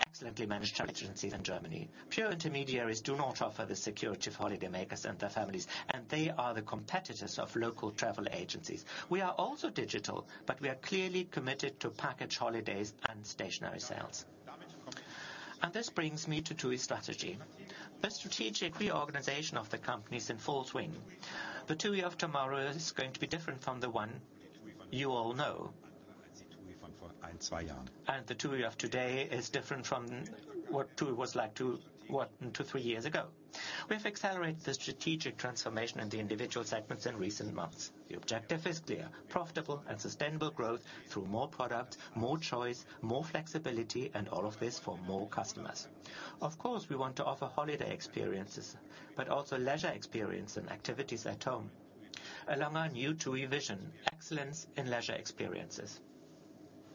Speaker 2: excellently managed travel agencies in Germany. Pure intermediaries do not offer the security of holidaymakers and their families, and they are the competitors of local travel agencies. We are also digital, but we are clearly committed to package holidays and stationary sales. This brings me to TUI's strategy. The strategic reorganization of the company is in full swing. The TUI of tomorrow is going to be different from the one you all know. The TUI of today is different from what TUI was like two or three years ago. We have accelerated the strategic transformation in the individual segments in recent months. The objective is clear: profitable and sustainable growth through more products, more choice, more flexibility, and all of this for more customers. Of course, we want to offer holiday experiences, but also leisure experiences and activities at home. Along our new TUI vision, excellence in leisure experiences.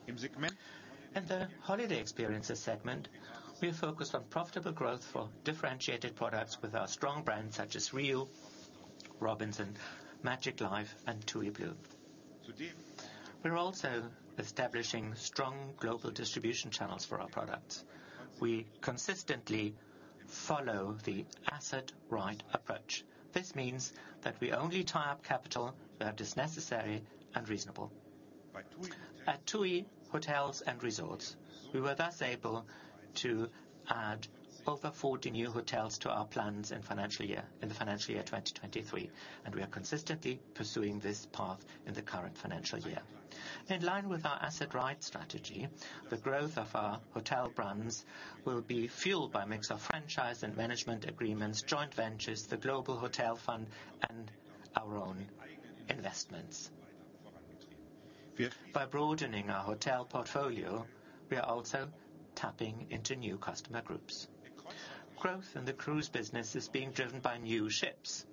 Speaker 2: In the holiday experiences segment, we are focused on profitable growth for differentiated products with our strong brands such as Riu, Robinson, Magic Life, and TUI Blue. We're also establishing strong global distribution channels for our products. We consistently follow the asset-right approach. This means that we only tie up capital where it is necessary and reasonable. At TUI Hotels & Resorts, we were thus able to add over 40 new hotels to our plans in the financial year 2023, and we are consistently pursuing this path in the current financial year. In line with our asset-right strategy, the growth of our hotel brands will be fueled by a mix of franchise and management agreements, joint ventures, the global hotel fund, and our own investments. By broadening our hotel portfolio, we are also tapping into new customer groups. Growth in the cruise business is being driven by new ships.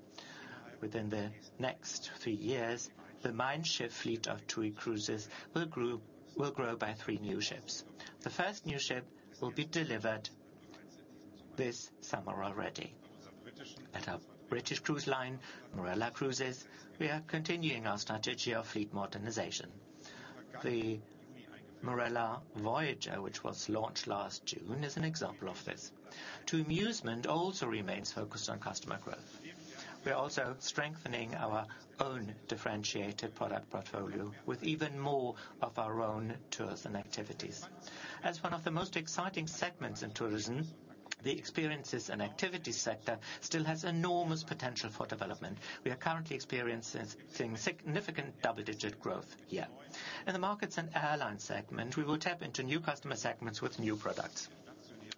Speaker 2: Within the next few years, the Mein Schiff fleet of TUI Cruises will grow by three new ships. The first new ship will be delivered this summer already. At a British cruise line, Marella Cruises, we are continuing our strategy of fleet modernization. The Marella Voyager, which was launched last June, is an example of this. TUI Musement also remains focused on customer growth. We are also strengthening our own differentiated product portfolio with even more of our own tours and activities. As one of the most exciting segments in tourism, the experiences and activities sector still has enormous potential for development. We are currently experiencing significant double-digit growth here. In the markets and airline segment, we will tap into new customer segments with new products.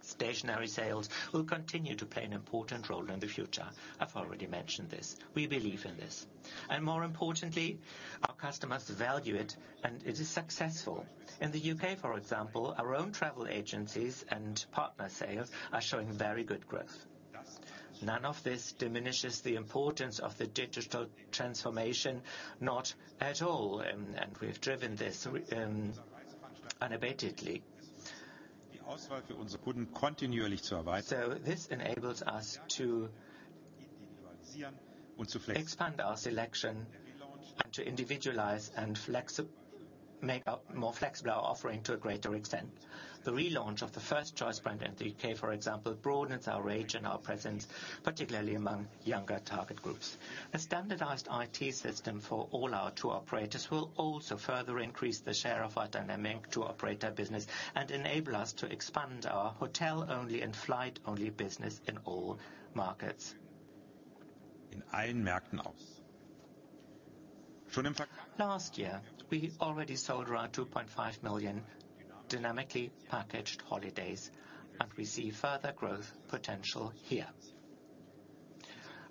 Speaker 2: Stationary sales will continue to play an important role in the future. I've already mentioned this. We believe in this. And more importantly, our customers value it, and it is successful. In the U.K., for example, our own travel agencies and partner sales are showing very good growth. None of this diminishes the importance of the digital transformation not at all, and we have driven this unabatedly. So this enables us to expand our selection and to individualize and make a more flexible offering to a greater extent. The relaunch of the First Choice brand in the U.K., for example, broadens our range and our presence, particularly among younger target groups. A standardized IT system for all our tour operators will also further increase the share of our dynamic tour operator business and enable us to expand our hotel-only and flight-only business in all markets. Last year, we already sold around 2.5 million dynamically packaged holidays, and we see further growth potential here.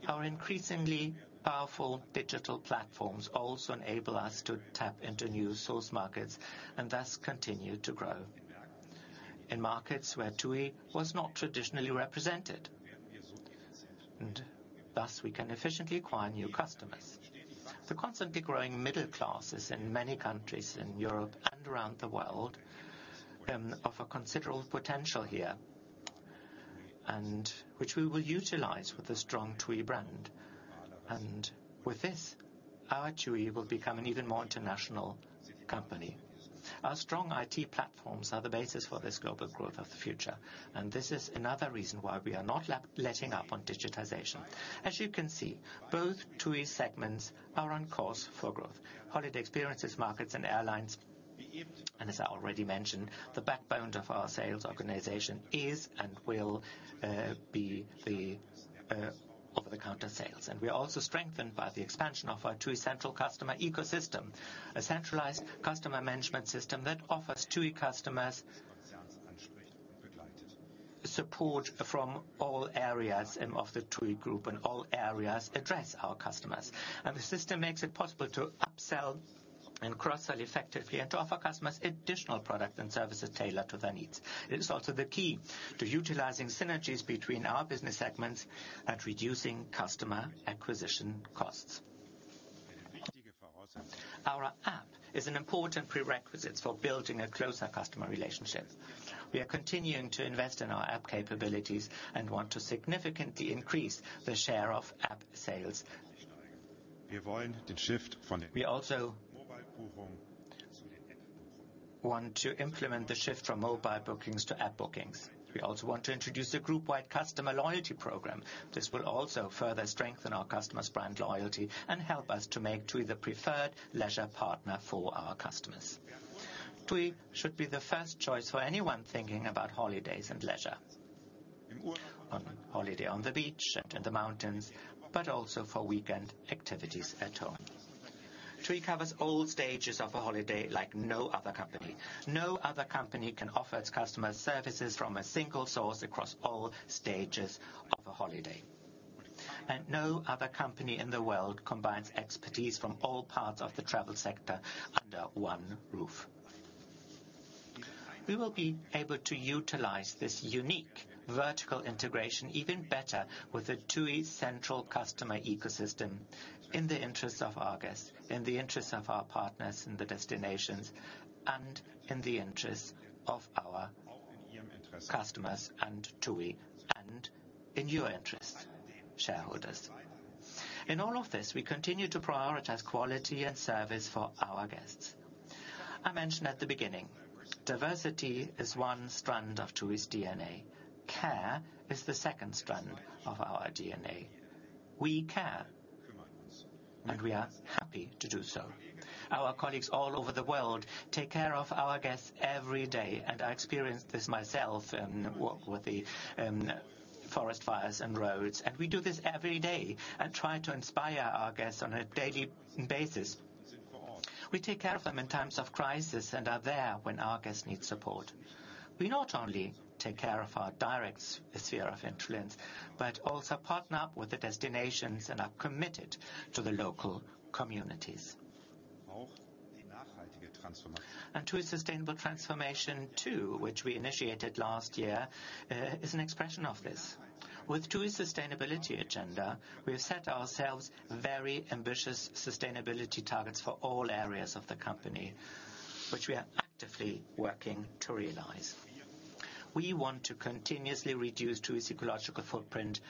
Speaker 2: Our increasingly powerful digital platforms also enable us to tap into new source markets and thus continue to grow in markets where TUI was not traditionally represented. And thus, we can efficiently acquire new customers. The constantly growing middle classes in many countries in Europe and around the world offer considerable potential here, which we will utilize with the strong TUI brand. With this, our TUI will become an even more international company. Our strong IT platforms are the basis for this global growth of the future, and this is another reason why we are not letting up on digitization. As you can see, both TUI segments are on course for growth. Holiday experiences, markets, and airlines, and as I already mentioned, the backbone of our sales organization is and will be the over-the-counter sales. We are also strengthened by the expansion of our TUI Central customer ecosystem, a centralized customer management system that offers TUI customers support from all areas of the TUI Group and all areas address our customers. The system makes it possible to upsell and cross-sell effectively and to offer customers additional products and services tailored to their needs. It is also the key to utilizing synergies between our business segments and reducing customer acquisition costs. Our app is an important prerequisite for building a closer customer relationship. We are continuing to invest in our app capabilities and want to significantly increase the share of app sales. We also want to implement the shift from mobile bookings to app bookings. We also want to introduce a group-wide customer loyalty program. This will also further strengthen our customers' brand loyalty and help us to make TUI the preferred leisure partner for our customers. TUI should be the first choice for anyone thinking about holidays and leisure, on holiday on the beach and in the mountains, but also for weekend activities at home. TUI covers all stages of a holiday like no other company. No other company can offer its customers services from a single source across all stages of a holiday. And no other company in the world combines expertise from all parts of the travel sector under one roof. We will be able to utilize this unique vertical integration even better with the TUI Central customer ecosystem in the interests of our guests, in the interests of our partners in the destinations, and in the interests of our customers and TUI and in your interests, shareholders. In all of this, we continue to prioritize quality and service for our guests. I mentioned at the beginning, diversity is one strand of TUI's DNA. Care is the second strand of our DNA. We care, and we are happy to do so. Our colleagues all over the world take care of our guests every day, and I experienced this myself with the forest fires in Rhodes. And we do this every day and try to inspire our guests on a daily basis. We take care of them in times of crisis and are there when our guests need support. We not only take care of our direct sphere of influence but also partner up with the destinations and are committed to the local communities. And TUI's sustainable transformation, too, which we initiated last year, is an expression of this. With TUI's sustainability agenda, we have set ourselves very ambitious sustainability targets for all areas of the company, which we are actively working to realize. We want to continuously reduce TUI's ecological footprint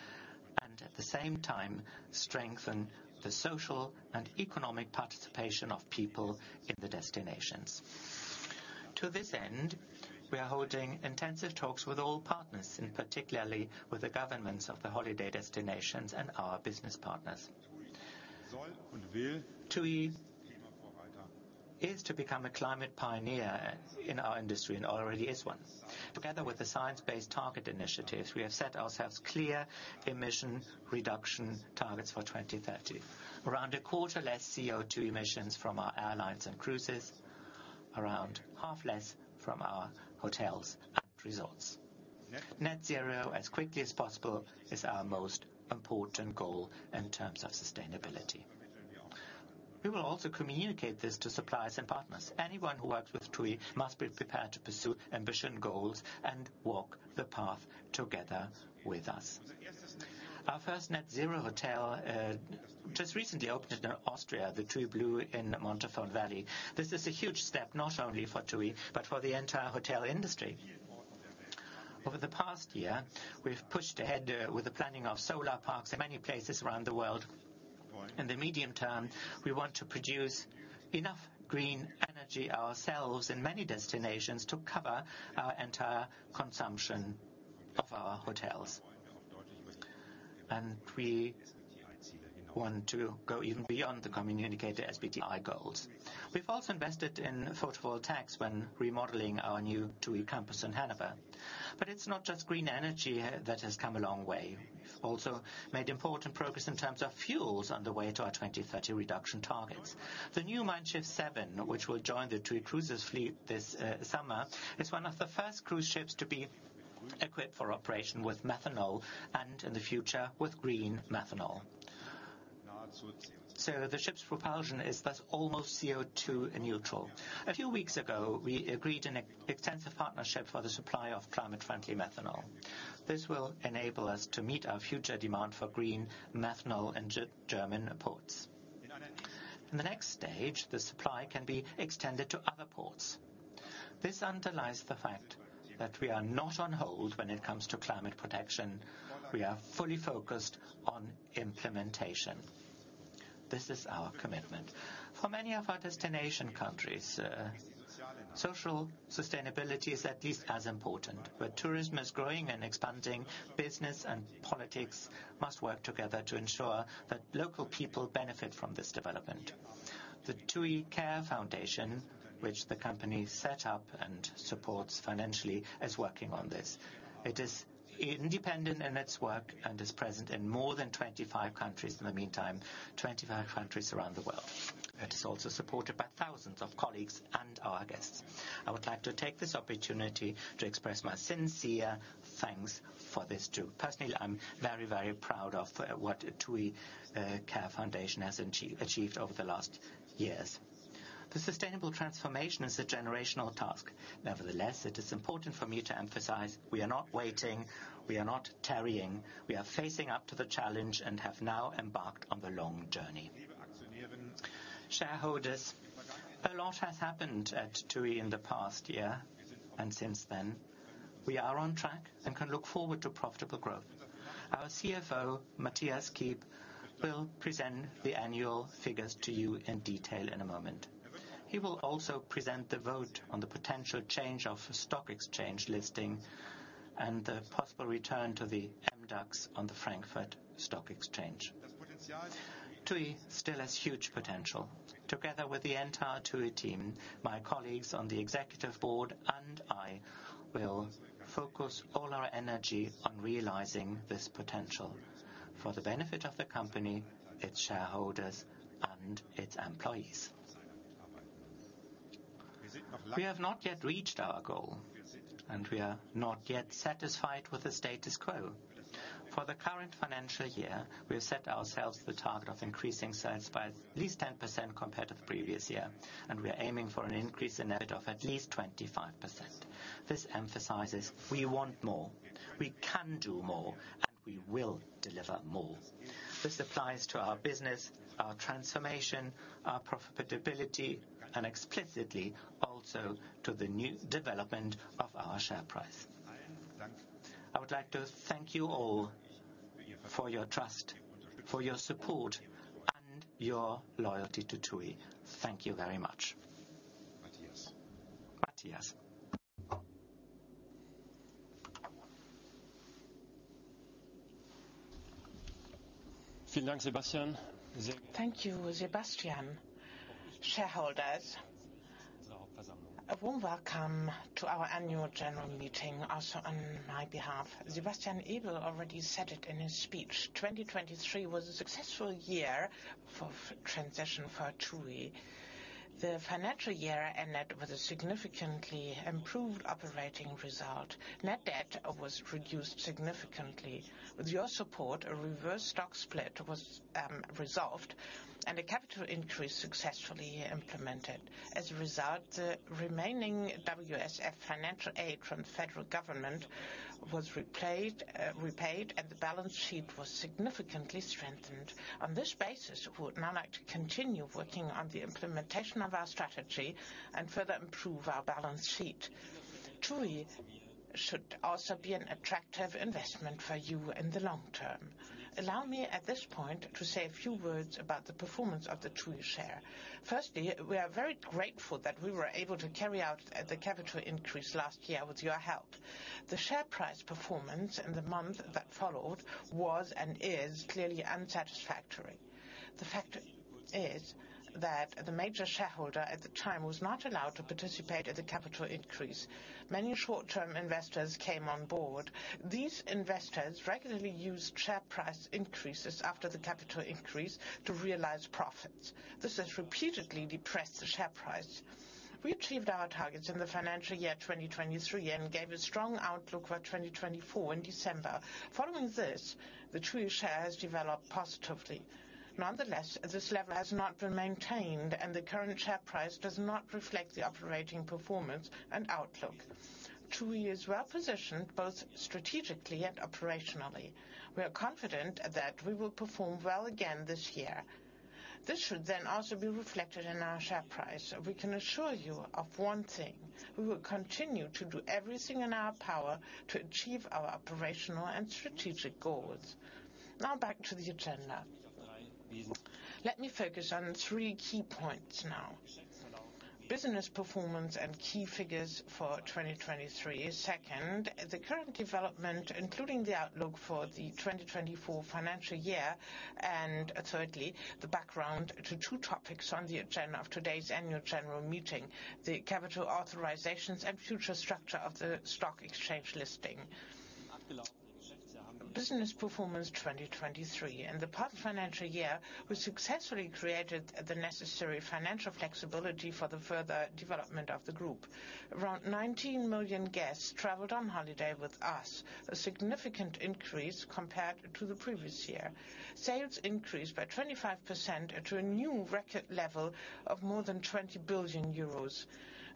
Speaker 2: and, at the same time, strengthen the social and economic participation of people in the destinations. To this end, we are holding intensive talks with all partners, particularly with the governments of the holiday destinations and our business partners. TUI is to become a climate pioneer in our industry and already is one. Together with the Science Based Targets initiatives, we have set ourselves clear emission reduction targets for 2030: around a quarter less CO2 emissions from our airlines and cruises, around half less from our hotels and resorts. Net zero as quickly as possible is our most important goal in terms of sustainability. We will also communicate this to suppliers and partners. Anyone who works with TUI must be prepared to pursue ambitious goals and walk the path together with us. Our first net zero hotel just recently opened in Austria, the TUI Blue in Montafon Valley. This is a huge step not only for TUI but for the entire hotel industry. Over the past year, we've pushed ahead with the planning of solar parks in many places around the world. In the medium term, we want to produce enough green energy ourselves in many destinations to cover our entire consumption of our hotels. And we want to go even beyond the communicated SBTI goals. We've also invested in photovoltaics when remodeling our new TUI campus in Hanover. But it's not just green energy that has come a long way. We've also made important progress in terms of fuels on the way to our 2030 reduction targets. The new Mein Schiff 7, which will join the TUI Cruises fleet this summer, is one of the first cruise ships to be equipped for operation with methanol and, in the future, with green methanol. So the ship's propulsion is thus almost CO2-neutral. A few weeks ago, we agreed on an extensive partnership for the supply of climate-friendly methanol. This will enable us to meet our future demand for green methanol in German ports. In the next stage, the supply can be extended to other ports. This underlies the fact that we are not on hold when it comes to climate protection. We are fully focused on implementation. This is our commitment. For many of our destination countries, social sustainability is at least as important, where tourism is growing and expanding. Business and politics must work together to ensure that local people benefit from this development. The TUI Care Foundation, which the company set up and supports financially, is working on this. It is independent in its work and is present in more than 25 countries in the meantime, 25 countries around the world. It is also supported by thousands of colleagues and our guests. I would like to take this opportunity to express my sincere thanks for this, too. Personally, I'm very, very proud of what the TUI Care Foundation has achieved over the last years. The sustainable transformation is a generational task. Nevertheless, it is important for me to emphasize we are not waiting. We are not tarrying. We are facing up to the challenge and have now embarked on the long journey. Shareholders, a lot has happened at TUI in the past year and since then. We are on track and can look forward to profitable growth. Our CFO, Mathias Kiep, will present the annual figures to you in detail in a moment. He will also present the vote on the potential change of stock exchange listing and the possible return to the MDAX on the Frankfurt Stock Exchange. TUI still has huge potential. Together with the entire TUI team, my colleagues on the executive board, and I, will focus all our energy on realizing this potential for the benefit of the company, its shareholders, and its employees. We have not yet reached our goal, and we are not yet satisfied with the status quo. For the current financial year, we have set ourselves the target of increasing sales by at least 10% compared to the previous year, and we are aiming for an increase in EBITDA of at least 25%. This emphasizes we want more. We can do more, and we will deliver more. This applies to our business, our transformation, our profitability, and explicitly also to the new development of our share price. I would like to thank you all for your trust, for your support, and your loyalty to TUI. Thank you very much. Mathias. Mathias.
Speaker 3: Thank you, Sebastian. Shareholders, a warm welcome to our annual general meeting also on my behalf. Sebastian Ebel already said it in his speech. 2023 was a successful year for transition for TUI. The financial year ended with a significantly improved operating result. Net debt was reduced significantly. With your support, a reverse stock split was resolved and a capital increase successfully implemented. As a result, the remaining WSF financial aid from the federal government was repaid, and the balance sheet was significantly strengthened. On this basis, we would now like to continue working on the implementation of our strategy and further improve our balance sheet. TUI should also be an attractive investment for you in the long term. Allow me, at this point, to say a few words about the performance of the TUI share. Firstly, we are very grateful that we were able to carry out the capital increase last year with your help. The share price performance in the month that followed was and is clearly unsatisfactory. The fact is that the major shareholder at the time was not allowed to participate in the capital increase. Many short-term investors came on board. These investors regularly used share price increases after the capital increase to realize profits. This has repeatedly depressed the share price. We achieved our targets in the financial year 2023 and gave a strong outlook for 2024 in December. Following this, the TUI share has developed positively. Nonetheless, this level has not been maintained, and the current share price does not reflect the operating performance and outlook. TUI is well positioned both strategically and operationally. We are confident that we will perform well again this year. This should then also be reflected in our share price. We can assure you of one thing: we will continue to do everything in our power to achieve our operational and strategic goals. Now back to the agenda. Let me focus on three key points now. Business performance and key figures for 2023. Second, the current development, including the outlook for the 2024 financial year. And thirdly, the background to two topics on the agenda of today's annual general meeting: the capital authorizations and future structure of the stock exchange listing. Business performance 2023. In the past financial year, we successfully created the necessary financial flexibility for the further development of the group. Around 19 million guests traveled on holiday with us, a significant increase compared to the previous year. Sales increased by 25% to a new record level of more than 20 billion euros.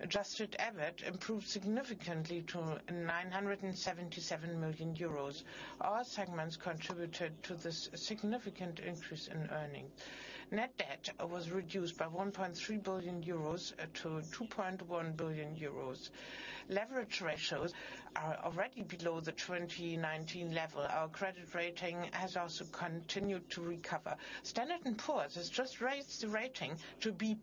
Speaker 3: Adjusted EBIT improved significantly to 977 million euros. All segments contributed to this significant increase in earnings. Net debt was reduced by 1.3 billion-2.1 billion euros. Leverage ratios are already below the 2019 level. Our credit rating has also continued to recover. Standard & Poor's has just raised the rating to B+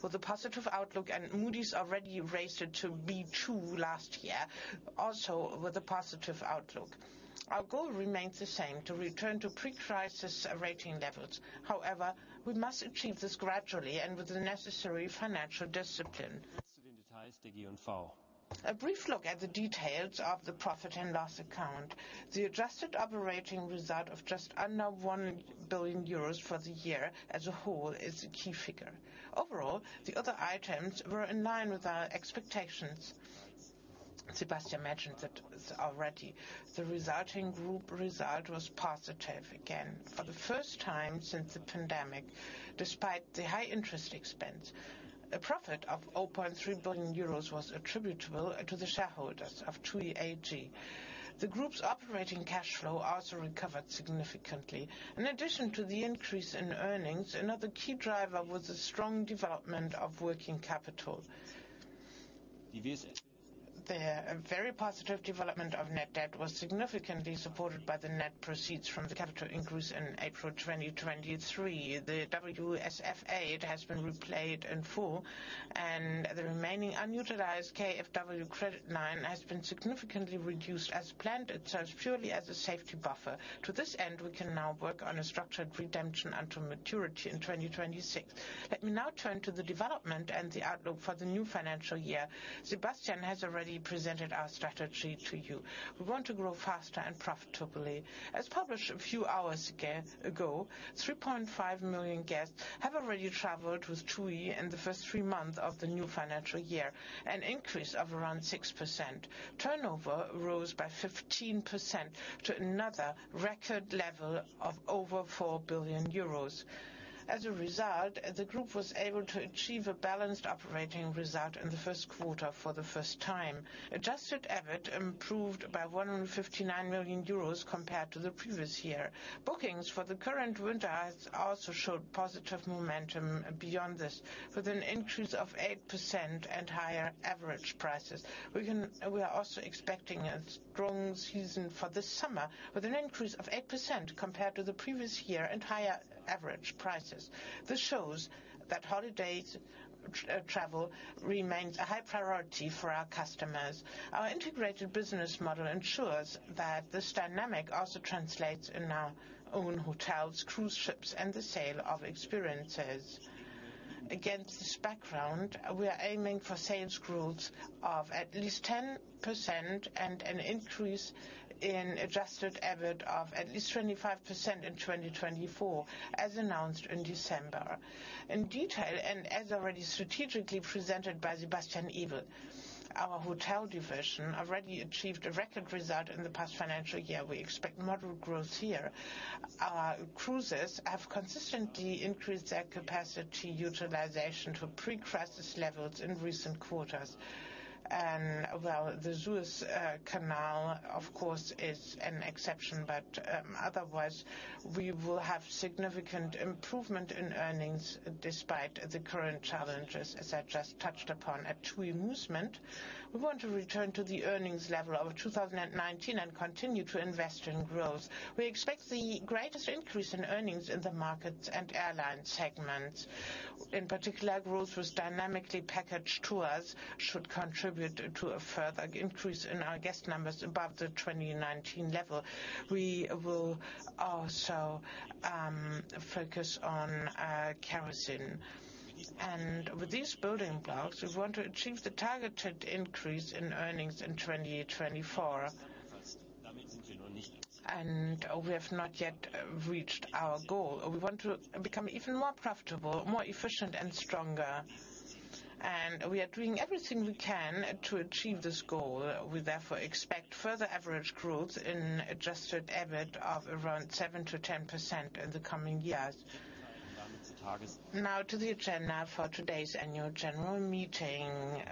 Speaker 3: with a positive outlook, and Moody's already raised it to B2 last year, also with a positive outlook. Our goal remains the same: to return to pre-crisis rating levels. However, we must achieve this gradually and with the necessary financial discipline. A brief look at the details of the profit and loss account. The adjusted operating result of just under 1 billion euros for the year as a whole is a key figure. Overall, the other items were in line with our expectations. Sebastian mentioned it already. The resulting group result was positive again for the first time since the pandemic, despite the high interest expense. A profit of 0.3 billion euros was attributable to the shareholders of TUI AG. The group's operating cash flow also recovered significantly. In addition to the increase in earnings, another key driver was the strong development of working capital. The very positive development of net debt was significantly supported by the net proceeds from the capital increase in April 2023. The WSF aid has been repaid in full, and the remaining unutilized KfW credit line has been significantly reduced as planned. It serves purely as a safety buffer. To this end, we can now work on a structured redemption until maturity in 2026. Let me now turn to the development and the outlook for the new financial year. Sebastian has already presented our strategy to you. We want to grow faster and profitably. As published a few hours ago, 3.5 million guests have already traveled with TUI in the first three months of the new financial year, an increase of around 6%. Turnover rose by 15% to another record level of over 4 billion euros. As a result, the group was able to achieve a balanced operating result in the first quarter for the first time. Adjusted EBIT improved by 159 million euros compared to the previous year. Bookings for the current winter has also showed positive momentum beyond this, with an increase of 8% and higher average prices. We are also expecting a strong season for this summer, with an increase of 8% compared to the previous year and higher average prices. This shows that holiday travel remains a high priority for our customers. Our integrated business model ensures that this dynamic also translates in our own hotels, cruise ships, and the sale of experiences. Against this background, we are aiming for sales growth of at least 10% and an increase in adjusted EBIT of at least 25% in 2024, as announced in December. In detail, and as already strategically presented by Sebastian Ebel, our hotel division already achieved a record result in the past financial year. We expect moderate growth here. Our cruises have consistently increased their capacity utilization to pre-crisis levels in recent quarters. And while the Suez Canal, of course, is an exception, but otherwise, we will have significant improvement in earnings despite the current challenges as I just touched upon at TUI Musement. We want to return to the earnings level of 2019 and continue to invest in growth. We expect the greatest increase in earnings in the markets and airline segments. In particular, growth with dynamically packaged tours should contribute to a further increase in our guest numbers above the 2019 level. We will also focus on kerosene. With these building blocks, we want to achieve the targeted increase in earnings in 2024. We have not yet reached our goal. We want to become even more profitable, more efficient, and stronger. We are doing everything we can to achieve this goal. We therefore expect further average growth in adjusted EBIT of around 7%-10% in the coming years. Now to the agenda for today's annual general meeting.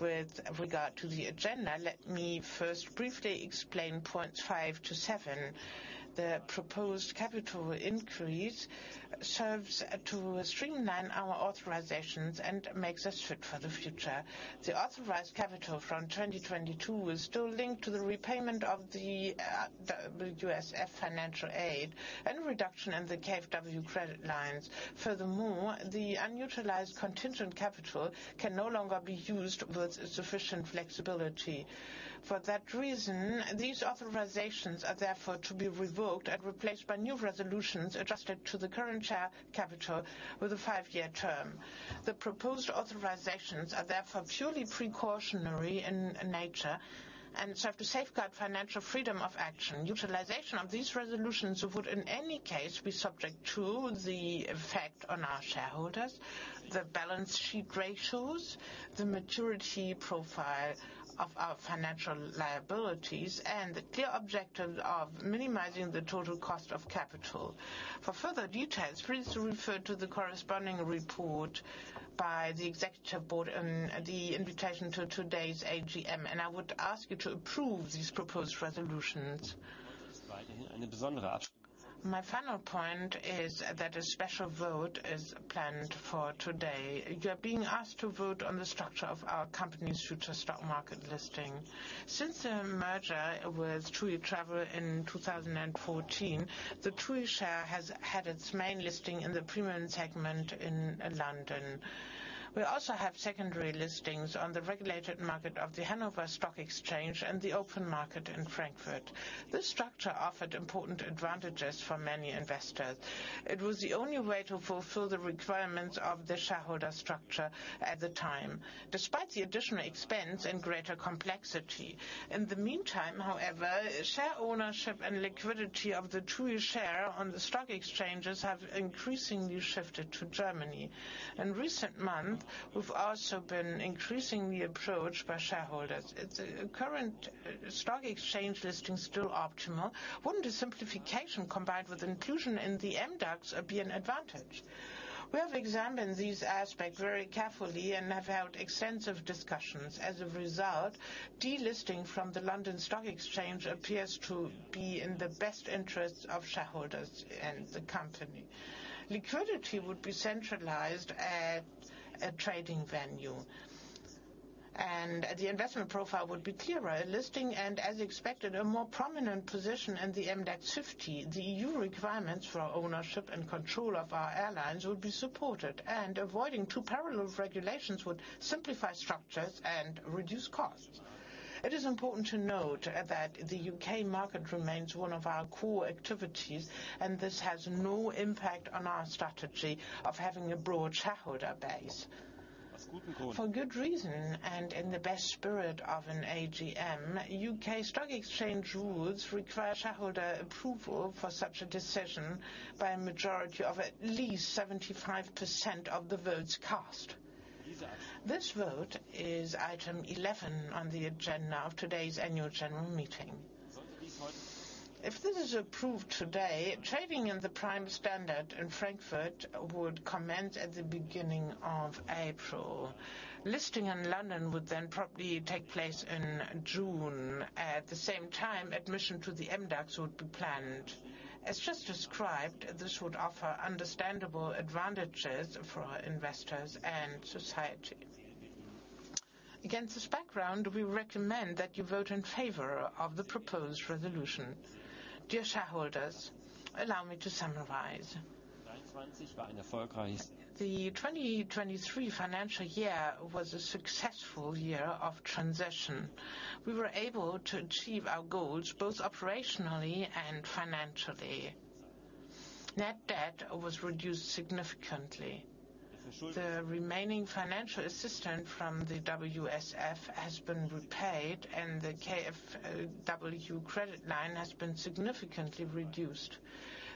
Speaker 3: With regard to the agenda, let me first briefly explain points five to seven. The proposed capital increase serves to streamline our authorizations and makes us fit for the future. The authorized capital from 2022 will still link to the repayment of the WSF financial aid and reduction in the KfW credit lines. Furthermore, the unutilized contingent capital can no longer be used with sufficient flexibility. For that reason, these authorizations are therefore to be revoked and replaced by new resolutions adjusted to the current share capital with a five-year term. The proposed authorizations are therefore purely precautionary in nature and serve to safeguard financial freedom of action. Utilization of these resolutions would in any case be subject to the effect on our shareholders, the balance sheet ratios, the maturity profile of our financial liabilities, and the clear objective of minimizing the total cost of capital. For further details, please refer to the corresponding report by the executive board and the invitation to today's AGM. I would ask you to approve these proposed resolutions. My final point is that a special vote is planned for today. You are being asked to vote on the structure of our company's future stock market listing. Since the merger with TUI Travel in 2014, the TUI share has had its main listing in the premium segment in London. We also have secondary listings on the regulated market of the [Frankfurt] Stock Exchange and the open market in Frankfurt. This structure offered important advantages for many investors. It was the only way to fulfill the requirements of the shareholder structure at the time, despite the additional expense and greater complexity. In the meantime, however, share ownership and liquidity of the TUI share on the stock exchanges have increasingly shifted to Germany. In recent months, we've also been increasingly approached by shareholders. If the current stock exchange listing is still optimal, wouldn't a simplification combined with inclusion in the MDAX be an advantage? We have examined these aspects very carefully and have held extensive discussions. As a result, delisting from the London Stock Exchange appears to be in the best interests of shareholders and the company. Liquidity would be centralized at a trading venue, and the investment profile would be clearer. A listing and, as expected, a more prominent position in the MDAX 50. The E.U. requirements for ownership and control of our airlines would be supported, and avoiding two parallel regulations would simplify structures and reduce costs. It is important to note that the U.K. market remains one of our core activities, and this has no impact on our strategy of having a broad shareholder base. For good reason. In the best spirit of an AGM, U.K. stock exchange rules require shareholder approval for such a decision by a majority of at least 75% of the votes cast. This vote is item 11 on the agenda of today's annual general meeting. If this is approved today, trading in the Prime Standard in Frankfurt would commence at the beginning of April. Listing in London would then probably take place in June. At the same time, admission to the MDAX would be planned. As just described, this would offer understandable advantages for investors and society. Against this background, we recommend that you vote in favor of the proposed resolution. Dear shareholders, allow me to summarize. The 2023 financial year was a successful year of transition. We were able to achieve our goals both operationally and financially. Net debt was reduced significantly. The remaining financial assistance from the WSF has been repaid, and the KfW credit line has been significantly reduced.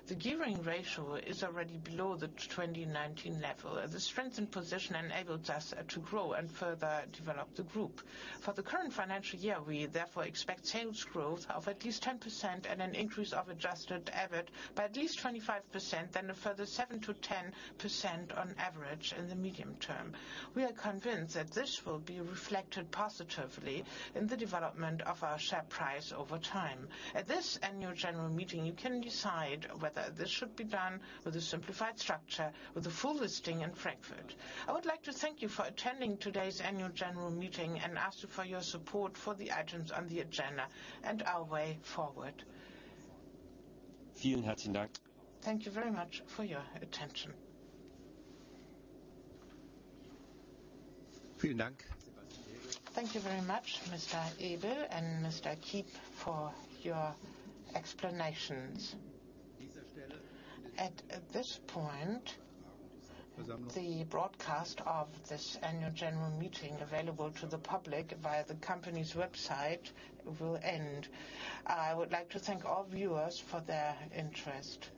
Speaker 3: The gearing ratio is already below the 2019 level. The strengthened position enabled us to grow and further develop the group. For the current financial year, we therefore expect sales growth of at least 10% and an increase of adjusted EBIT by at least 25%, then a further 7%-10% on average in the medium term. We are convinced that this will be reflected positively in the development of our share price over time. At this annual general meeting, you can decide whether this should be done with a simplified structure with a full listing in Frankfurt. I would like to thank you for attending today's annual general meeting and ask you for your support for the items on the agenda and our way forward.
Speaker 1: Thank you very much for your attention. Thank you very much, Mr. Ebel and Mr. Kiep, for your explanations. At this point, the broadcast of this annual general meeting available to the public via the company's website will end. I would like to thank all viewers for their interest.